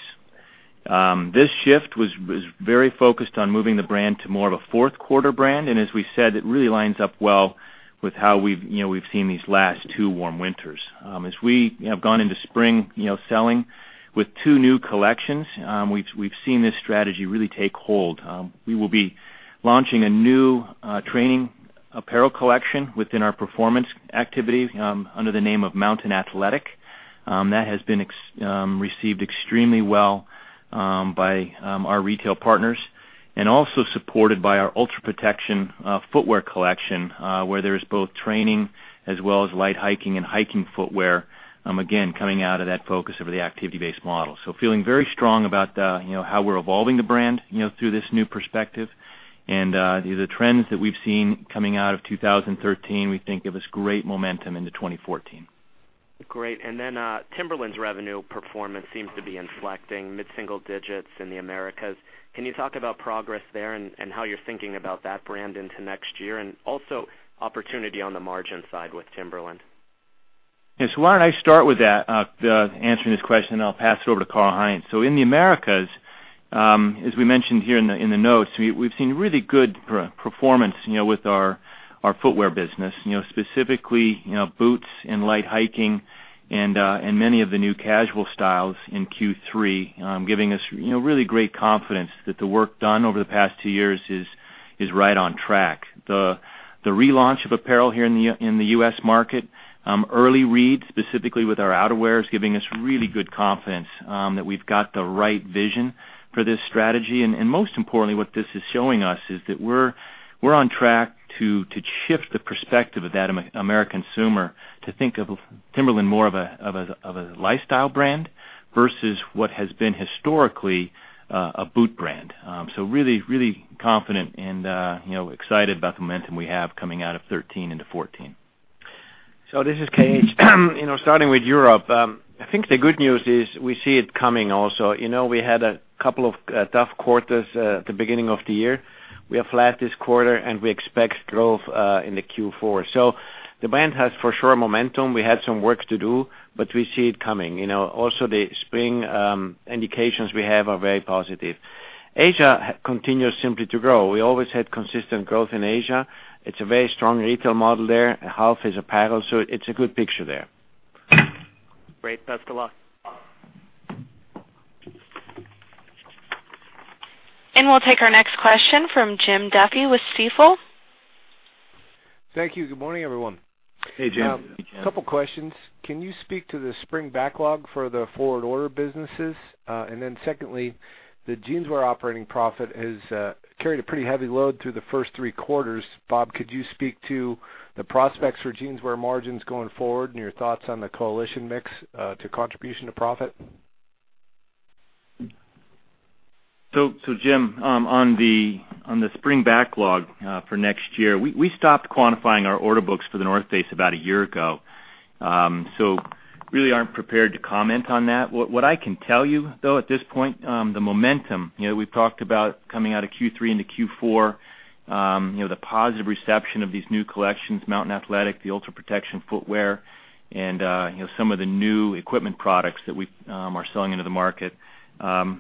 Speaker 4: This shift was very focused on moving the brand to more of a fourth quarter brand, as we said, it really lines up well with how we've seen these last two warm winters. As we have gone into spring selling with two new collections, we've seen this strategy really take hold. We will be launching a new training apparel collection within our performance activity under the name of Mountain Athletics. That has been received extremely well by our retail partners. Also supported by our Ultra Protection footwear collection, where there's both training as well as light hiking and hiking footwear, again, coming out of that focus over the activity-based model. Feeling very strong about how we're evolving the brand through this new perspective, and the trends that we've seen coming out of 2013, we think give us great momentum into 2014.
Speaker 9: Great. Timberland's revenue performance seems to be inflecting mid-single digits in the Americas. Can you talk about progress there and how you're thinking about that brand into next year? Also opportunity on the margin side with Timberland.
Speaker 4: Yes. Why don't I start with answering this question, and I'll pass it over to Karl-Heinz. In the Americas, as we mentioned here in the notes, we've seen really good performance with our footwear business. Specifically, boots and light hiking and many of the new casual styles in Q3, giving us really great confidence that the work done over the past two years is right on track. The relaunch of apparel here in the U.S. market, early reads, specifically with our outerwear, is giving us really good confidence that we've got the right vision for this strategy. Most importantly, what this is showing us is that we're on track to shift the perspective of that American consumer to think of Timberland more of a lifestyle brand versus what has been historically a boot brand. Really confident and excited about the momentum we have coming out of 2013 into 2014.
Speaker 5: This is KH. Starting with Europe, I think the good news is we see it coming also. We had a couple of tough quarters at the beginning of the year. We are flat this quarter. We expect growth in the Q4. The brand has for sure momentum. We had some work to do. We see it coming. The spring indications we have are very positive. Asia continues simply to grow. We always had consistent growth in Asia. It's a very strong retail model there. Half is apparel. It's a good picture there.
Speaker 9: Great. Best of luck.
Speaker 1: We'll take our next question from Jim Duffy with Stifel.
Speaker 10: Thank you. Good morning, everyone.
Speaker 7: Hey, Jim.
Speaker 4: Hey, Jim.
Speaker 10: A couple of questions. Can you speak to the spring backlog for the forward order businesses? Secondly, the Jeanswear operating profit has carried a pretty heavy load through the first three quarters. Bob, could you speak to the prospects for Jeanswear margins going forward and your thoughts on the coalition mix to contribution to profit?
Speaker 3: Jim, on the spring backlog for next year, we stopped quantifying our order books for The North Face about a year ago. We really aren't prepared to comment on that. What I can tell you though at this point, the momentum we've talked about coming out of Q3 into Q4, the positive reception of these new collections, Mountain Athletics, the Ultra Protection footwear, and some of the new equipment products that we are selling into the market. We are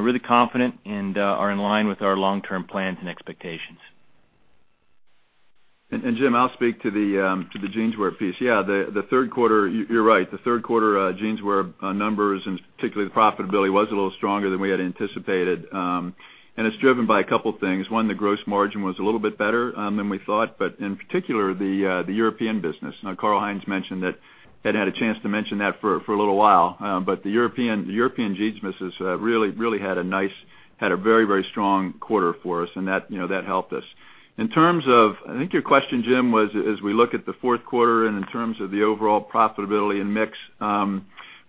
Speaker 3: really confident and are in line with our long-term plans and expectations.
Speaker 7: Jim, I'll speak to the Jeanswear piece. Yeah. You're right, the third quarter Jeanswear numbers and particularly the profitability was a little stronger than we had anticipated. It's driven by a couple things. One, the gross margin was a little bit better than we thought, but in particular, the European business. Karl-Heinz hadn't had a chance to mention that for a little while. The European jeans business really had a very strong quarter for us, and that helped us. I think your question, Jim, was as we look at the fourth quarter and in terms of the overall profitability and mix.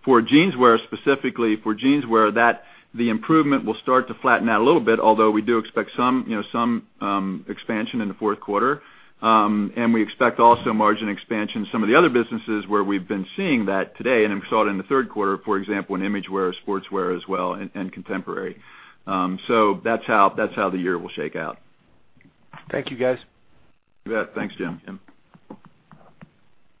Speaker 7: For Jeanswear specifically, the improvement will start to flatten out a little bit, although we do expect some expansion in the fourth quarter. We expect also margin expansion in some of the other businesses where we've been seeing that today, and we saw it in the third quarter, for example, in Imagewear, Sportswear as well, and Contemporary. That's how the year will shake out.
Speaker 10: Thank you, guys.
Speaker 7: You bet. Thanks, Jim.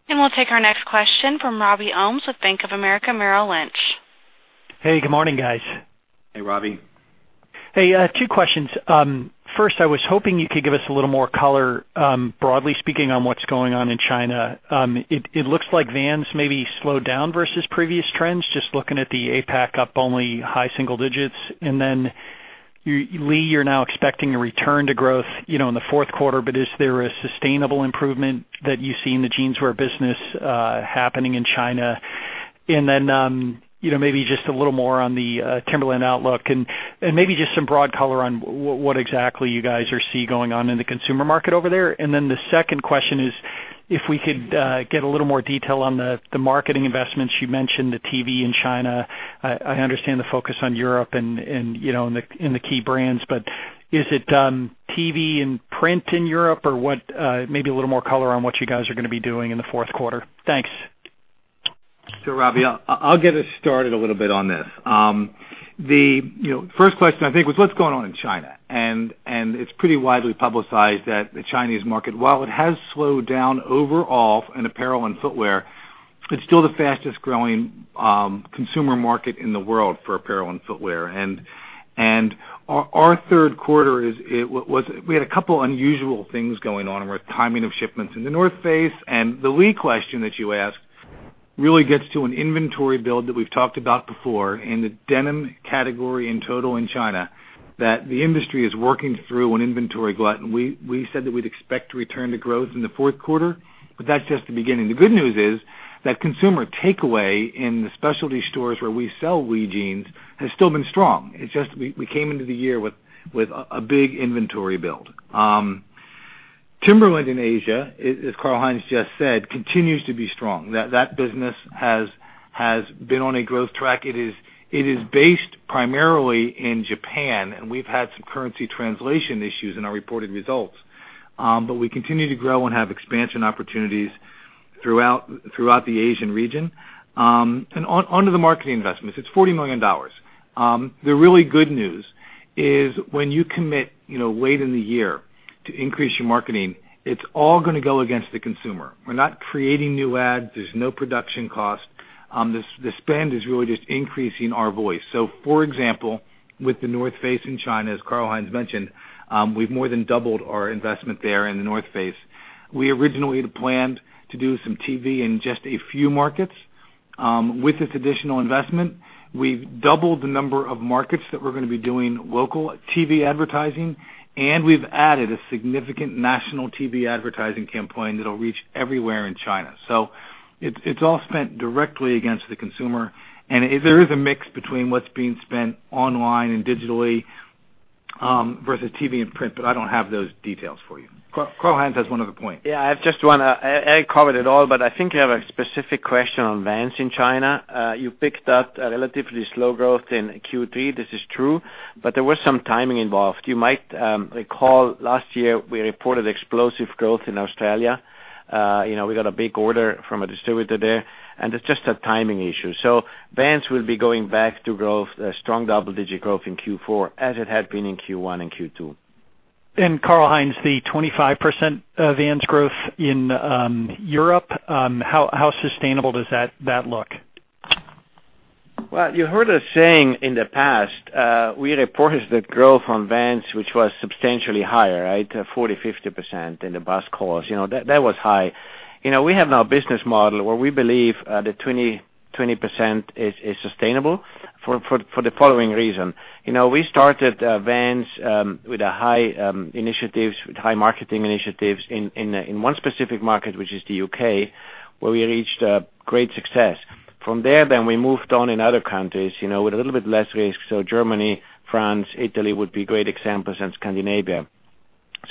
Speaker 1: We'll take our next question from Robert Ohmes with Bank of America Merrill Lynch.
Speaker 11: Hey, good morning, guys.
Speaker 3: Hey, Robbie.
Speaker 11: Hey, two questions. First, I was hoping you could give us a little more color, broadly speaking, on what's going on in China. It looks like Vans maybe slowed down versus previous trends, just looking at the APAC up only high single digits. Lee, you're now expecting a return to growth in the fourth quarter, but is there a sustainable improvement that you see in the Jeanswear business happening in China? Maybe just a little more on the Timberland outlook and maybe just some broad color on what exactly you guys are see going on in the consumer market over there. The second question is, if we could get a little more detail on the marketing investments. You mentioned the TV in China. Is it TV and print in Europe or maybe a little more color on what you guys are going to be doing in the fourth quarter. Thanks.
Speaker 3: Robbie, I'll get us started a little bit on this. The first question I think was what's going on in China. It's pretty widely publicized that the Chinese market, while it has slowed down overall in apparel and footwear, it's still the fastest-growing consumer market in the world for apparel and footwear. Our third quarter, we had a couple unusual things going on with timing of shipments in The North Face. The Lee question that you asked really gets to an inventory build that we've talked about before in the denim category in total in China, that the industry is working through an inventory glut. We said that we'd expect to return to growth in the fourth quarter, that's just the beginning. The good news is that consumer takeaway in the specialty stores where we sell Lee jeans has still been strong. It's just we came into the year with a big inventory build. Timberland in Asia, as Karl-Heinz just said, continues to be strong. That business has been on a growth track. It is based primarily in Japan. We've had some currency translation issues in our reported results. We continue to grow and have expansion opportunities throughout the Asian region. Onto the marketing investments, it's $40 million. The really good news is when you commit late in the year to increase your marketing, it's all going to go against the consumer. We're not creating new ads. There's no production cost. The spend is really just increasing our voice. For example, with The North Face in China, as Karl-Heinz mentioned, we've more than doubled our investment there in The North Face. We originally had planned to do some TV in just a few markets. With this additional investment, we've doubled the number of markets that we're going to be doing local TV advertising. We've added a significant national TV advertising campaign that'll reach everywhere in China. It's all spent directly against the consumer. There is a mix between what's being spent online and digitally versus TV and print, I don't have those details for you. Karl-Heinz has one other point.
Speaker 5: Yeah, I have just one. Eric covered it all, but I think you have a specific question on Vans in China. You picked up a relatively slow growth in Q3. This is true, but there was some timing involved. You might recall last year we reported explosive growth in Australia. We got a big order from a distributor there, and it is just a timing issue. Vans will be going back to growth, strong double-digit growth in Q4 as it had been in Q1 and Q2.
Speaker 11: Karl-Heinz, the 25% Vans growth in Europe, how sustainable does that look?
Speaker 5: Well, you heard us saying in the past, we reported the growth on Vans, which was substantially higher, right? 40%, 50% in the bussiness calls. That was high. We have now a business model where we believe that 20% is sustainable for the following reason. We started Vans with high marketing initiatives in one specific market, which is the U.K., where we reached great success. From there, then we moved on in other countries with a little bit less risk. Germany, France, Italy would be great examples, and Scandinavia.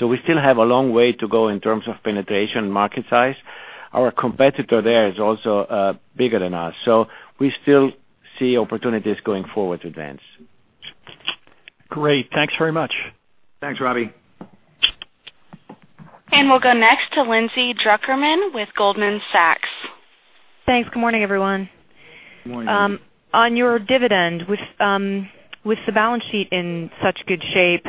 Speaker 5: We still have a long way to go in terms of penetration and market size. Our competitor there is also bigger than us. We still see opportunities going forward to advance.
Speaker 11: Great. Thanks very much.
Speaker 3: Thanks, Robbie.
Speaker 1: We'll go next to Lindsay Drucker Mann with Goldman Sachs.
Speaker 12: Thanks. Good morning, everyone.
Speaker 3: Good morning.
Speaker 12: On your dividend, with the balance sheet in such good shape,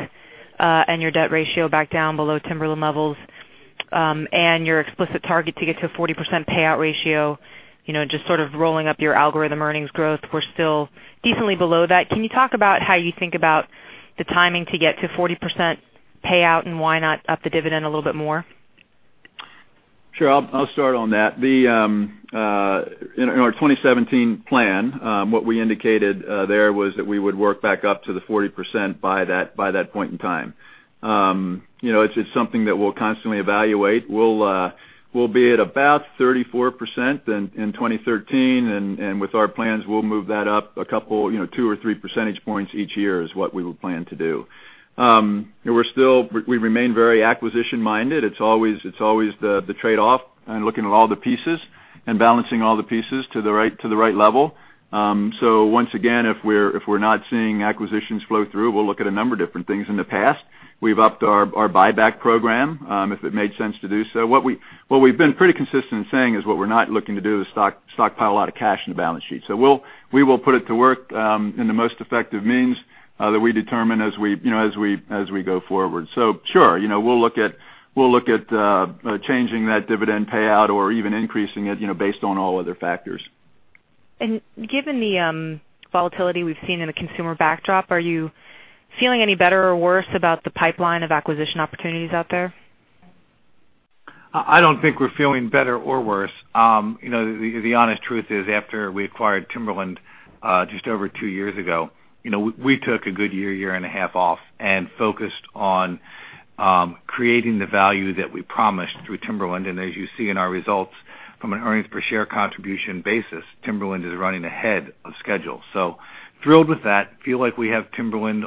Speaker 12: your debt ratio back down below Timberland levels, your explicit target to get to a 40% payout ratio, just sort of rolling up your algorithm earnings growth, we're still decently below that. Can you talk about how you think about the timing to get to 40% payout, and why not up the dividend a little bit more?
Speaker 7: Sure. I'll start on that. In our 2017 plan, what we indicated there was that we would work back up to the 40% by that point in time. It's something that we'll constantly evaluate. We'll be at about 34% in 2013, and with our plans, we'll move that up a couple, two or three percentage points each year is what we will plan to do. We remain very acquisition-minded. It's always the trade-off and looking at all the pieces and balancing all the pieces to the right level. Once again, if we're not seeing acquisitions flow through, we'll look at a number of different things. In the past, we've upped our buyback program, if it made sense to do so. What we've been pretty consistent in saying is what we're not looking to do is stockpile a lot of cash in the balance sheet. We will put it to work, in the most effective means that we determine as we go forward. Sure, we'll look at changing that dividend payout or even increasing it, based on all other factors.
Speaker 12: Given the volatility we've seen in the consumer backdrop, are you feeling any better or worse about the pipeline of acquisition opportunities out there?
Speaker 3: I don't think we're feeling better or worse. The honest truth is, after we acquired Timberland just over two years ago, we took a good year and a half off and focused on creating the value that we promised through Timberland. As you see in our results from an earnings per share contribution basis, Timberland is running ahead of schedule. Thrilled with that. Feel like we have Timberland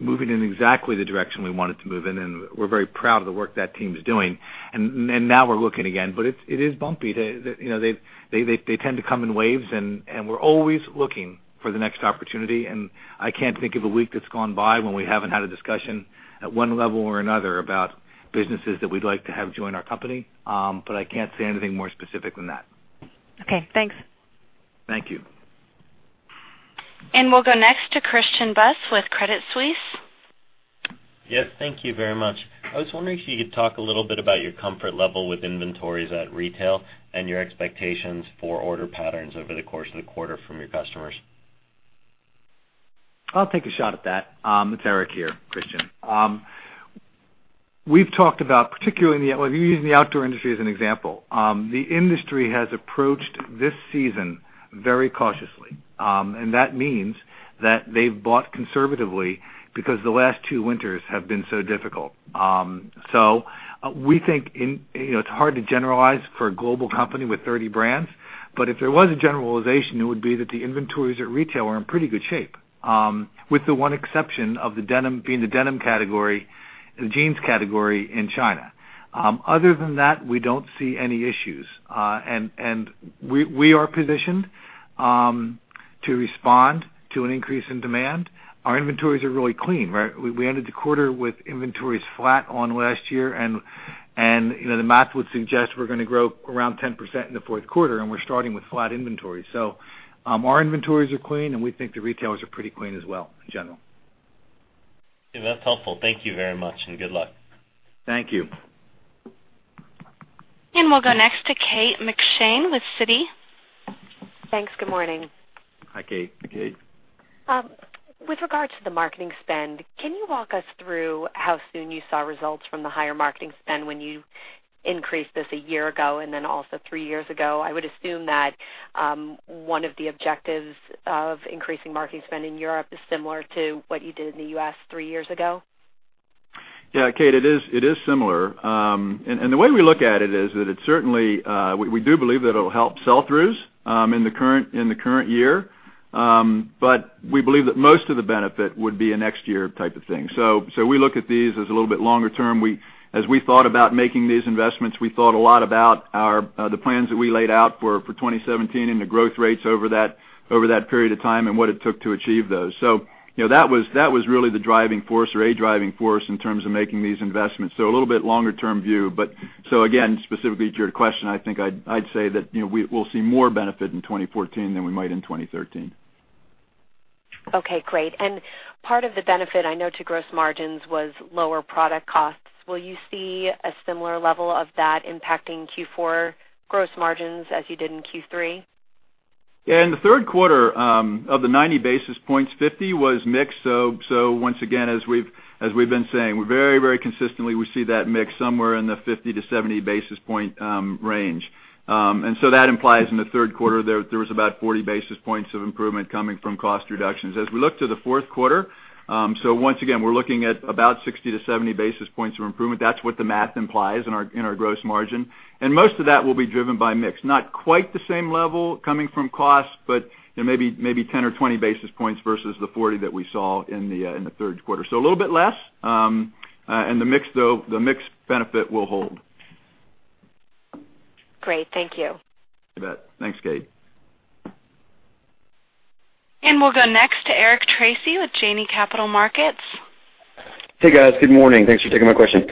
Speaker 3: moving in exactly the direction we want it to move in, and we're very proud of the work that team's doing. Now we're looking again, but it is bumpy. They tend to come in waves, and we're always looking for the next opportunity, and I can't think of a week that's gone by when we haven't had a discussion at one level or another about businesses that we'd like to have join our company. I can't say anything more specific than that.
Speaker 12: Okay, thanks.
Speaker 3: Thank you.
Speaker 1: We'll go next to Christian Buss with Credit Suisse.
Speaker 13: Yes, thank you very much. I was wondering if you could talk a little bit about your comfort level with inventories at retail and your expectations for order patterns over the course of the quarter from your customers.
Speaker 3: I'll take a shot at that. It's Eric here, Christian. We've talked about, particularly using the outdoor industry as an example. The industry has approached this season very cautiously. That means that they've bought conservatively because the last two winters have been so difficult. We think it's hard to generalize for a global company with 30 brands, but if there was a generalization, it would be that the inventories at retail are in pretty good shape. With the one exception of being the denim category, the jeans category in China. Other than that, we don't see any issues. We are positioned to respond to an increase in demand. Our inventories are really clean, right? We ended the quarter with inventories flat on last year, and the math would suggest we're going to grow around 10% in the fourth quarter, and we're starting with flat inventory. Our inventories are clean, and we think the retailers are pretty clean as well, in general.
Speaker 13: That's helpful. Thank you very much, and good luck.
Speaker 3: Thank you.
Speaker 1: We'll go next to Kate McShane with Citi.
Speaker 14: Thanks. Good morning.
Speaker 3: Hi, Kate.
Speaker 7: Hi, Kate.
Speaker 14: With regard to the marketing spend, can you walk us through how soon you saw results from the higher marketing spend when you increased this a year ago and then also three years ago? I would assume that one of the objectives of increasing marketing spend in Europe is similar to what you did in the U.S. three years ago.
Speaker 7: Yeah, Kate, it is similar. The way we look at it is that it certainly, we do believe that it'll help sell-throughs in the current year. We believe that most of the benefit would be a next year type of thing. We look at these as a little bit longer term. As we thought about making these investments, we thought a lot about the plans that we laid out for 2017 and the growth rates over that period of time and what it took to achieve those. That was really the driving force or a driving force in terms of making these investments. A little bit longer-term view. Again, specifically to your question, I think I'd say that we'll see more benefit in 2014 than we might in 2013.
Speaker 14: Okay, great. Part of the benefit I know to gross margins was lower product costs. Will you see a similar level of that impacting Q4 gross margins as you did in Q3?
Speaker 7: Yeah. In the third quarter, of the 90 basis points, 50 was mixed. Once again, as we've been saying, very consistently, we see that mix somewhere in the 50 to 70 basis point range. That implies in the third quarter, there was about 40 basis points of improvement coming from cost reductions. As we look to the fourth quarter, once again, we're looking at about 60 to 70 basis points of improvement. That's what the math implies in our gross margin. Most of that will be driven by mix. Not quite the same level coming from cost, but maybe 10 or 20 basis points versus the 40 that we saw in the third quarter. A little bit less. The mix benefit will hold.
Speaker 14: Great. Thank you.
Speaker 7: You bet. Thanks, Kate.
Speaker 1: We'll go next to Eric Tracy with Janney Capital Markets.
Speaker 15: Hey, guys. Good morning. Thanks for taking my question.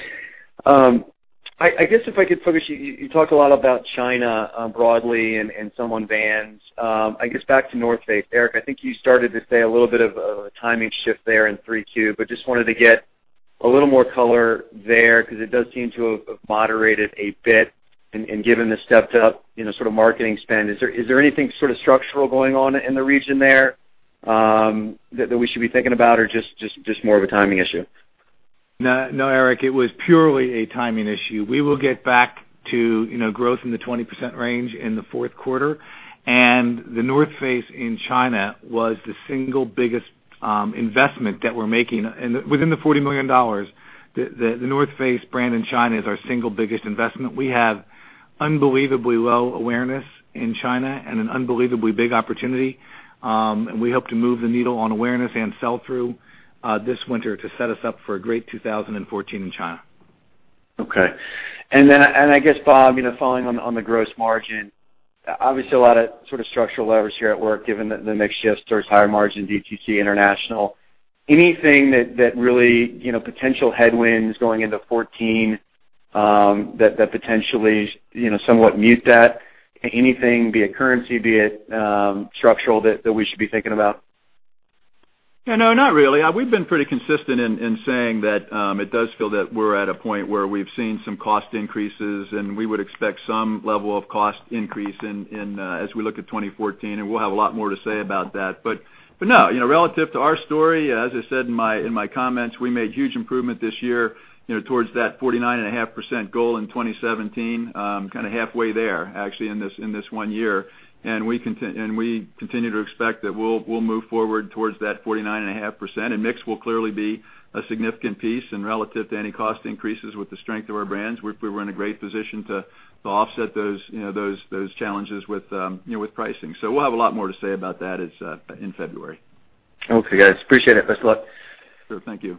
Speaker 15: I guess if I could focus, you talked a lot about China broadly and some on Vans. I guess back to The North Face, Eric, I think you started to say a little bit of a timing shift there in Q3, but just wanted to get a little more color there because it does seem to have moderated a bit and given the stepped-up marketing spend. Is there anything structural going on in the region there that we should be thinking about or just more of a timing issue?
Speaker 7: No, Eric, it was purely a timing issue. We will get back to growth in the 20% range in the fourth quarter. The North Face in China was the single biggest investment that we're making within the $40 million. The North Face brand in China is our single biggest investment. We have unbelievably low awareness in China and an unbelievably big opportunity. We hope to move the needle on awareness and sell-through this winter to set us up for a great 2014 in China.
Speaker 15: Okay. Then, I guess, Bob, following on the gross margin, obviously a lot of structural leverage here at work, given the mix shift towards higher margin DTC international. Anything that really potential headwinds going into 2014 that potentially somewhat mute that? Anything, be it currency, be it structural, that we should be thinking about?
Speaker 7: Yeah. No, not really. We've been pretty consistent in saying that it does feel that we're at a point where we've seen some cost increases, and we would expect some level of cost increase as we look at 2014, and we'll have a lot more to say about that. No, relative to our story, as I said in my comments, we made huge improvement this year towards that 49.5% goal in 2017. Kind of halfway there, actually, in this one year. We continue to expect that we'll move forward towards that 49.5%, and mix will clearly be a significant piece. Relative to any cost increases with the strength of our brands, we're in a great position to offset those challenges with pricing. We'll have a lot more to say about that in February.
Speaker 15: Okay, guys. Appreciate it. Best of luck.
Speaker 7: Sure. Thank you.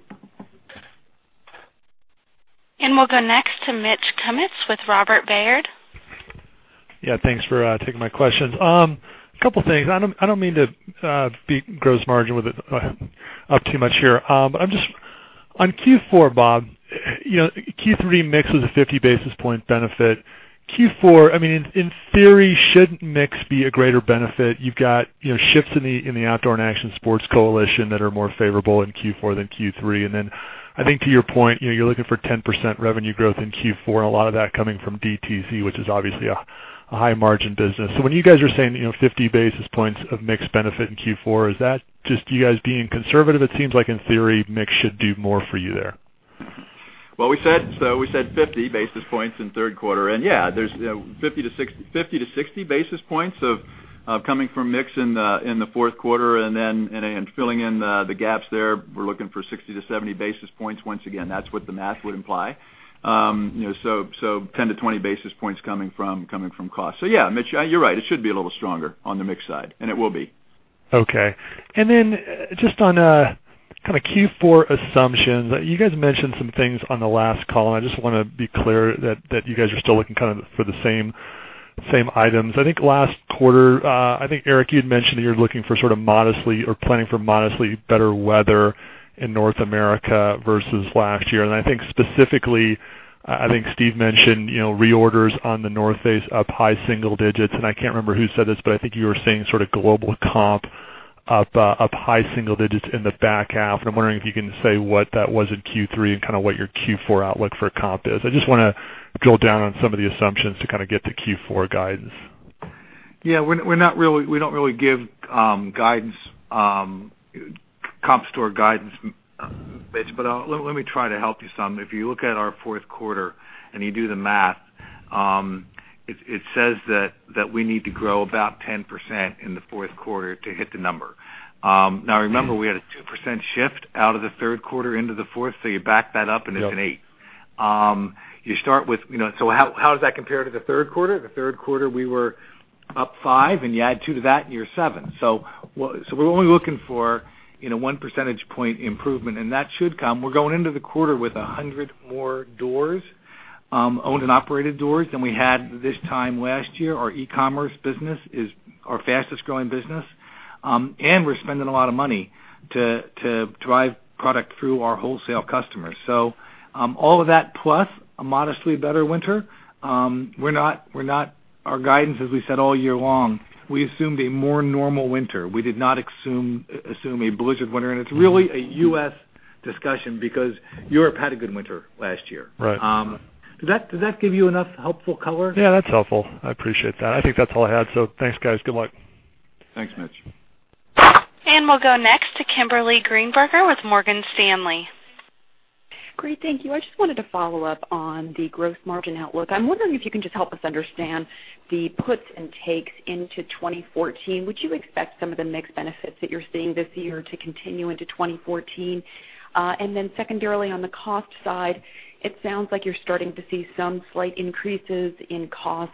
Speaker 1: We'll go next to Mitch Kummetz with Robert W. Baird.
Speaker 16: Yeah, thanks for taking my questions. Couple things. I don't mean to beat gross margin up too much here. On Q4, Bob, Q3 mix was a 50 basis point benefit. Q4, in theory, shouldn't mix be a greater benefit? You've got shifts in the Outdoor & Action Sports coalition that are more favorable in Q4 than Q3. I think to your point, you're looking for 10% revenue growth in Q4, and a lot of that coming from DTC, which is obviously a high margin business. When you guys are saying 50 basis points of mix benefit in Q4, is that just you guys being conservative? It seems like in theory, mix should do more for you there.
Speaker 7: We said 50 basis points in third quarter, and yeah, there's 50 to 60 basis points coming from mix in the fourth quarter. Filling in the gaps there, we're looking for 60 to 70 basis points. Once again, that's what the math would imply. 10 to 20 basis points coming from cost. Yeah, Mitch, you're right. It should be a little stronger on the mix side, and it will be.
Speaker 16: Okay. Just on Q4 assumptions. You guys mentioned some things on the last call, and I just want to be clear that you guys are still looking for the same items. I think last quarter, I think, Eric, you had mentioned that you're looking for modestly or planning for modestly better weather in North America versus last year. I think specifically, I think Steve mentioned reorders on The North Face up high single digits, and I can't remember who said this, but I think you were saying global comp up high single digits in the back half. I'm wondering if you can say what that was in Q3 and what your Q4 outlook for comp is. I just want to drill down on some of the assumptions to get the Q4 guidance.
Speaker 7: Yeah. We don't really give comp store guidance, Mitch. Let me try to help you some. If you look at our fourth quarter and you do the math, it says that we need to grow about 10% in the fourth quarter to hit the number. Now remember, we had a 2% shift out of the third quarter into the fourth. You back that up and it's an eight. How does that compare to the third quarter? The third quarter, we were up five, and you add two to that and you're seven. We're only looking for one percentage point improvement, and that should come. We're going into the quarter with 100 more owned and operated doors than we had this time last year. Our e-commerce business is our fastest growing business. We're spending a lot of money to drive product through our wholesale customers. All of that, plus a modestly better winter. Our guidance, as we said all year long, we assumed a more normal winter. We did not assume a blizzard winter. It's really a U.S. discussion because Europe had a good winter last year.
Speaker 16: Right.
Speaker 7: Does that give you enough helpful color?
Speaker 16: Yeah, that's helpful. I appreciate that. I think that's all I had. Thanks, guys. Good luck.
Speaker 7: Thanks, Mitch.
Speaker 1: We'll go next to Kimberly Greenberger with Morgan Stanley.
Speaker 17: Great. Thank you. I just wanted to follow up on the gross margin outlook. I'm wondering if you can just help us understand the puts and takes into 2014. Would you expect some of the mix benefits that you're seeing this year to continue into 2014? Secondarily, on the cost side, it sounds like you're starting to see some slight increases in cost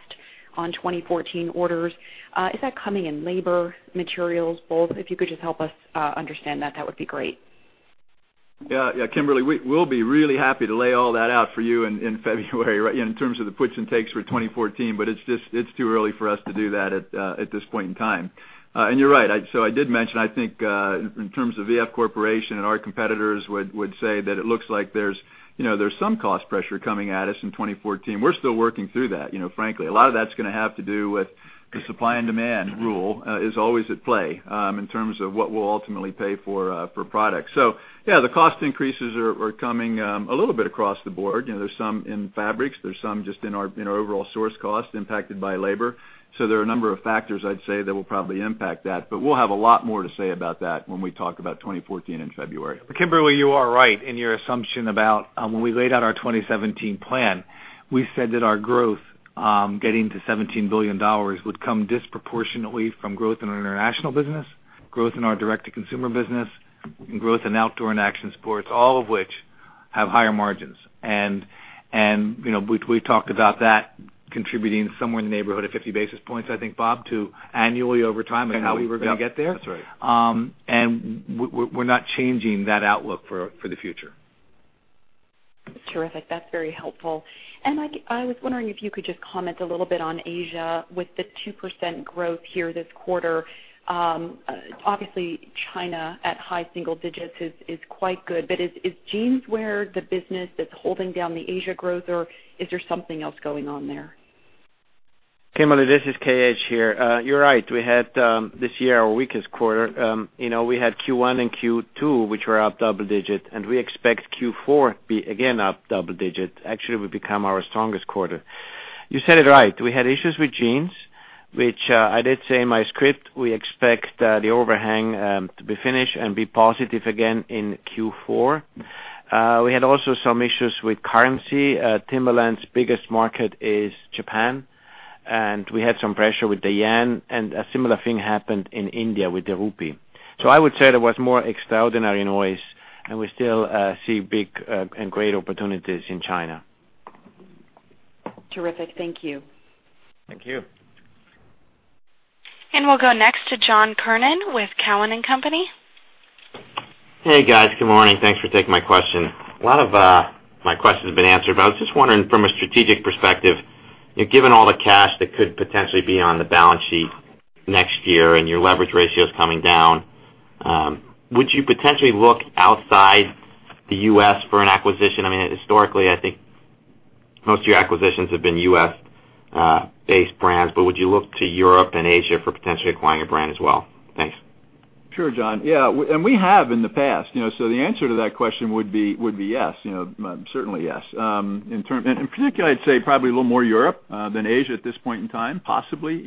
Speaker 17: on 2014 orders. Is that coming in labor, materials, both? If you could just help us understand that would be great.
Speaker 7: Yeah, Kimberly, we'll be really happy to lay all that out for you in February in terms of the puts and takes for 2014, it's too early for us to do that at this point in time. You're right. I did mention, I think, in terms of V.F. Corporation and our competitors would say that it looks like there's some cost pressure coming at us in 2014. We're still working through that. Frankly, a lot of that's going to have to do with the supply and demand rule is always at play in terms of what we'll ultimately pay for products. Yeah, the cost increases are coming a little bit across the board. There's some in fabrics, there's some just in our overall source cost impacted by labor. There are a number of factors, I'd say, that will probably impact that, we'll have a lot more to say about that when we talk about 2014 in February.
Speaker 3: Kimberly, you are right in your assumption about, when we laid out our 2017 plan, we said that our growth, getting to $17 billion, would come disproportionately from growth in our international business, growth in our direct-to-consumer business, and growth in Outdoor & Action Sports, all of which have higher margins. We talked about that contributing somewhere in the neighborhood of 50 basis points, I think, Bob, to annually over time and how we were going to get there.
Speaker 7: That's right.
Speaker 3: We're not changing that outlook for the future.
Speaker 17: Terrific. That's very helpful. I was wondering if you could just comment a little bit on Asia with the 2% growth here this quarter. Obviously, China at high single digits is quite good, is Jeanswear the business that's holding down the Asia growth or is there something else going on there?
Speaker 5: Kimberly, this is KH here. You're right. We had, this year, our weakest quarter. We had Q1 and Q2, which were up double-digit, and we expect Q4 be again up double-digit. Actually, it will become our strongest quarter. You said it right. We had issues with jeans, which I did say in my script, we expect the overhang to be finished and be positive again in Q4. We had also some issues with currency. Timberland's biggest market is Japan, and we had some pressure with the yen, and a similar thing happened in India with the rupee. I would say there was more extraordinary noise, and we still see big and great opportunities in China.
Speaker 17: Terrific. Thank you.
Speaker 3: Thank you.
Speaker 1: We'll go next to John Kernan with Cowen and Company.
Speaker 18: Hey, guys. Good morning. Thanks for taking my question. A lot of my questions have been answered, but I was just wondering from a strategic perspective, given all the cash that could potentially be on the balance sheet next year and your leverage ratios coming down, would you potentially look outside the U.S. for an acquisition? Historically, I think most of your acquisitions have been U.S.-based brands, but would you look to Europe and Asia for potentially acquiring a brand as well?
Speaker 7: Thanks. Sure, John. Yeah. And we have in the past. The answer to that question would be yes. Certainly, yes. In particular, I'd say probably a little more Europe than Asia at this point in time. Possibly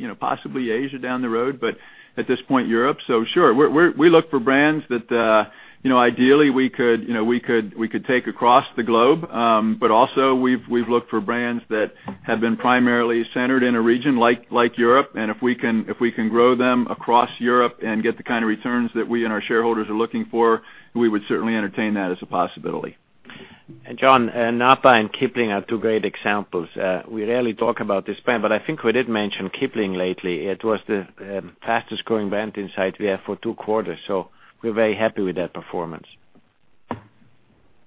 Speaker 7: Asia down the road, but at this point, Europe. Sure, we look for brands that ideally we could take across the globe. Also, we've looked for brands that have been primarily centered in a region like Europe, and if we can grow them across Europe and get the kind of returns that we and our shareholders are looking for, we would certainly entertain that as a possibility.
Speaker 5: John, NAPA and Kipling are two great examples. We rarely talk about this brand, but I think we did mention Kipling lately. It was the fastest-growing brand inside VF for two quarters. We're very happy with that performance.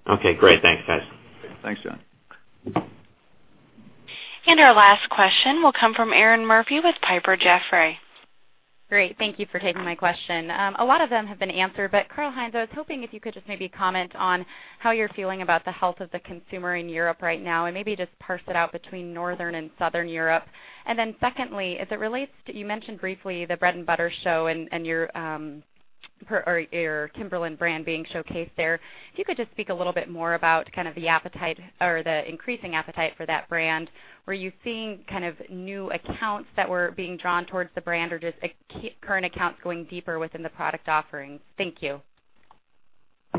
Speaker 18: Okay, great. Thanks, guys.
Speaker 3: Thanks, John.
Speaker 1: Our last question will come from Erinn Murphy with Piper Jaffray.
Speaker 19: Great. Thank you for taking my question. A lot of them have been answered, but Karl-Heinz, I was hoping if you could just maybe comment on how you're feeling about the health of the consumer in Europe right now, and maybe just parse it out between Northern and Southern Europe. Secondly, as it relates to, you mentioned briefly the Bread & Butter show and your Timberland brand being showcased there. If you could just speak a little bit more about kind of the appetite or the increasing appetite for that brand. Were you seeing kind of new accounts that were being drawn towards the brand or just current accounts going deeper within the product offerings? Thank you.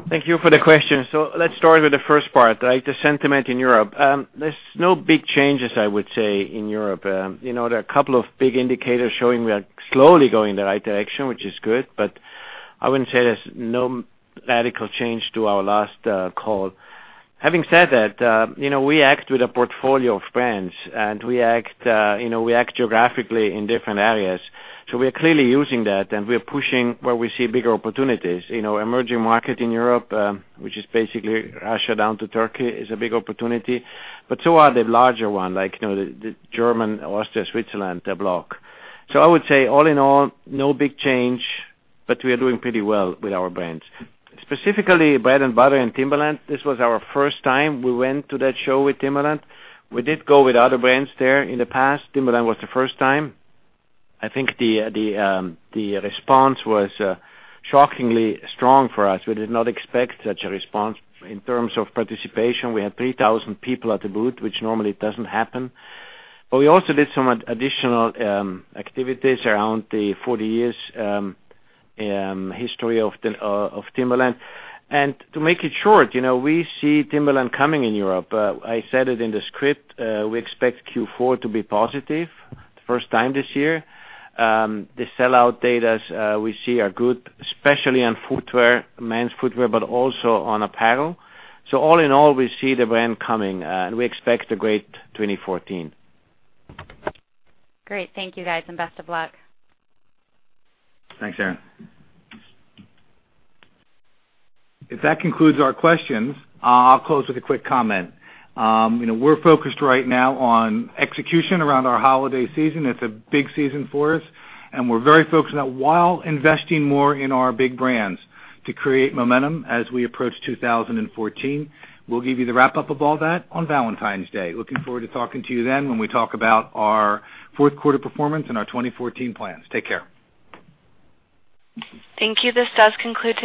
Speaker 5: Thank you for the question. Let's start with the first part, the sentiment in Europe. There's no big changes, I would say, in Europe. There are a couple of big indicators showing we are slowly going in the right direction, which is good, but I wouldn't say there's no radical change to our last call. Having said that, we act with a portfolio of brands, and we act geographically in different areas. We are clearly using that, and we are pushing where we see bigger opportunities. Emerging market in Europe, which is basically Russia down to Turkey, is a big opportunity, but so are the larger one, like the German, Austria, Switzerland block. I would say all in all, no big change, but we are doing pretty well with our brands. Specifically, Bread & Butter and Timberland. This was our first time we went to that show with Timberland. We did go with other brands there in the past. Timberland was the first time. I think the response was shockingly strong for us. We did not expect such a response in terms of participation. We had 3,000 people at the booth, which normally doesn't happen. We also did some additional activities around the 40 years history of Timberland. To make it short, we see Timberland coming in Europe. I said it in the script. We expect Q4 to be positive the first time this year. The sellout data we see are good, especially on footwear, men's footwear, but also on apparel. All in all, we see the brand coming, and we expect a great 2014.
Speaker 3: Great. Thank you, guys, and best of luck. Thanks, Erinn. If that concludes our questions, I'll close with a quick comment. We're focused right now on execution around our holiday season. It's a big season for us, and we're very focused on that while investing more in our big brands to create momentum as we approach 2014. We'll give you the wrap-up of all that on Valentine's Day. Looking forward to talking to you then when we talk about our fourth quarter performance and our 2014 plans. Take care.
Speaker 1: Thank you. This does conclude today's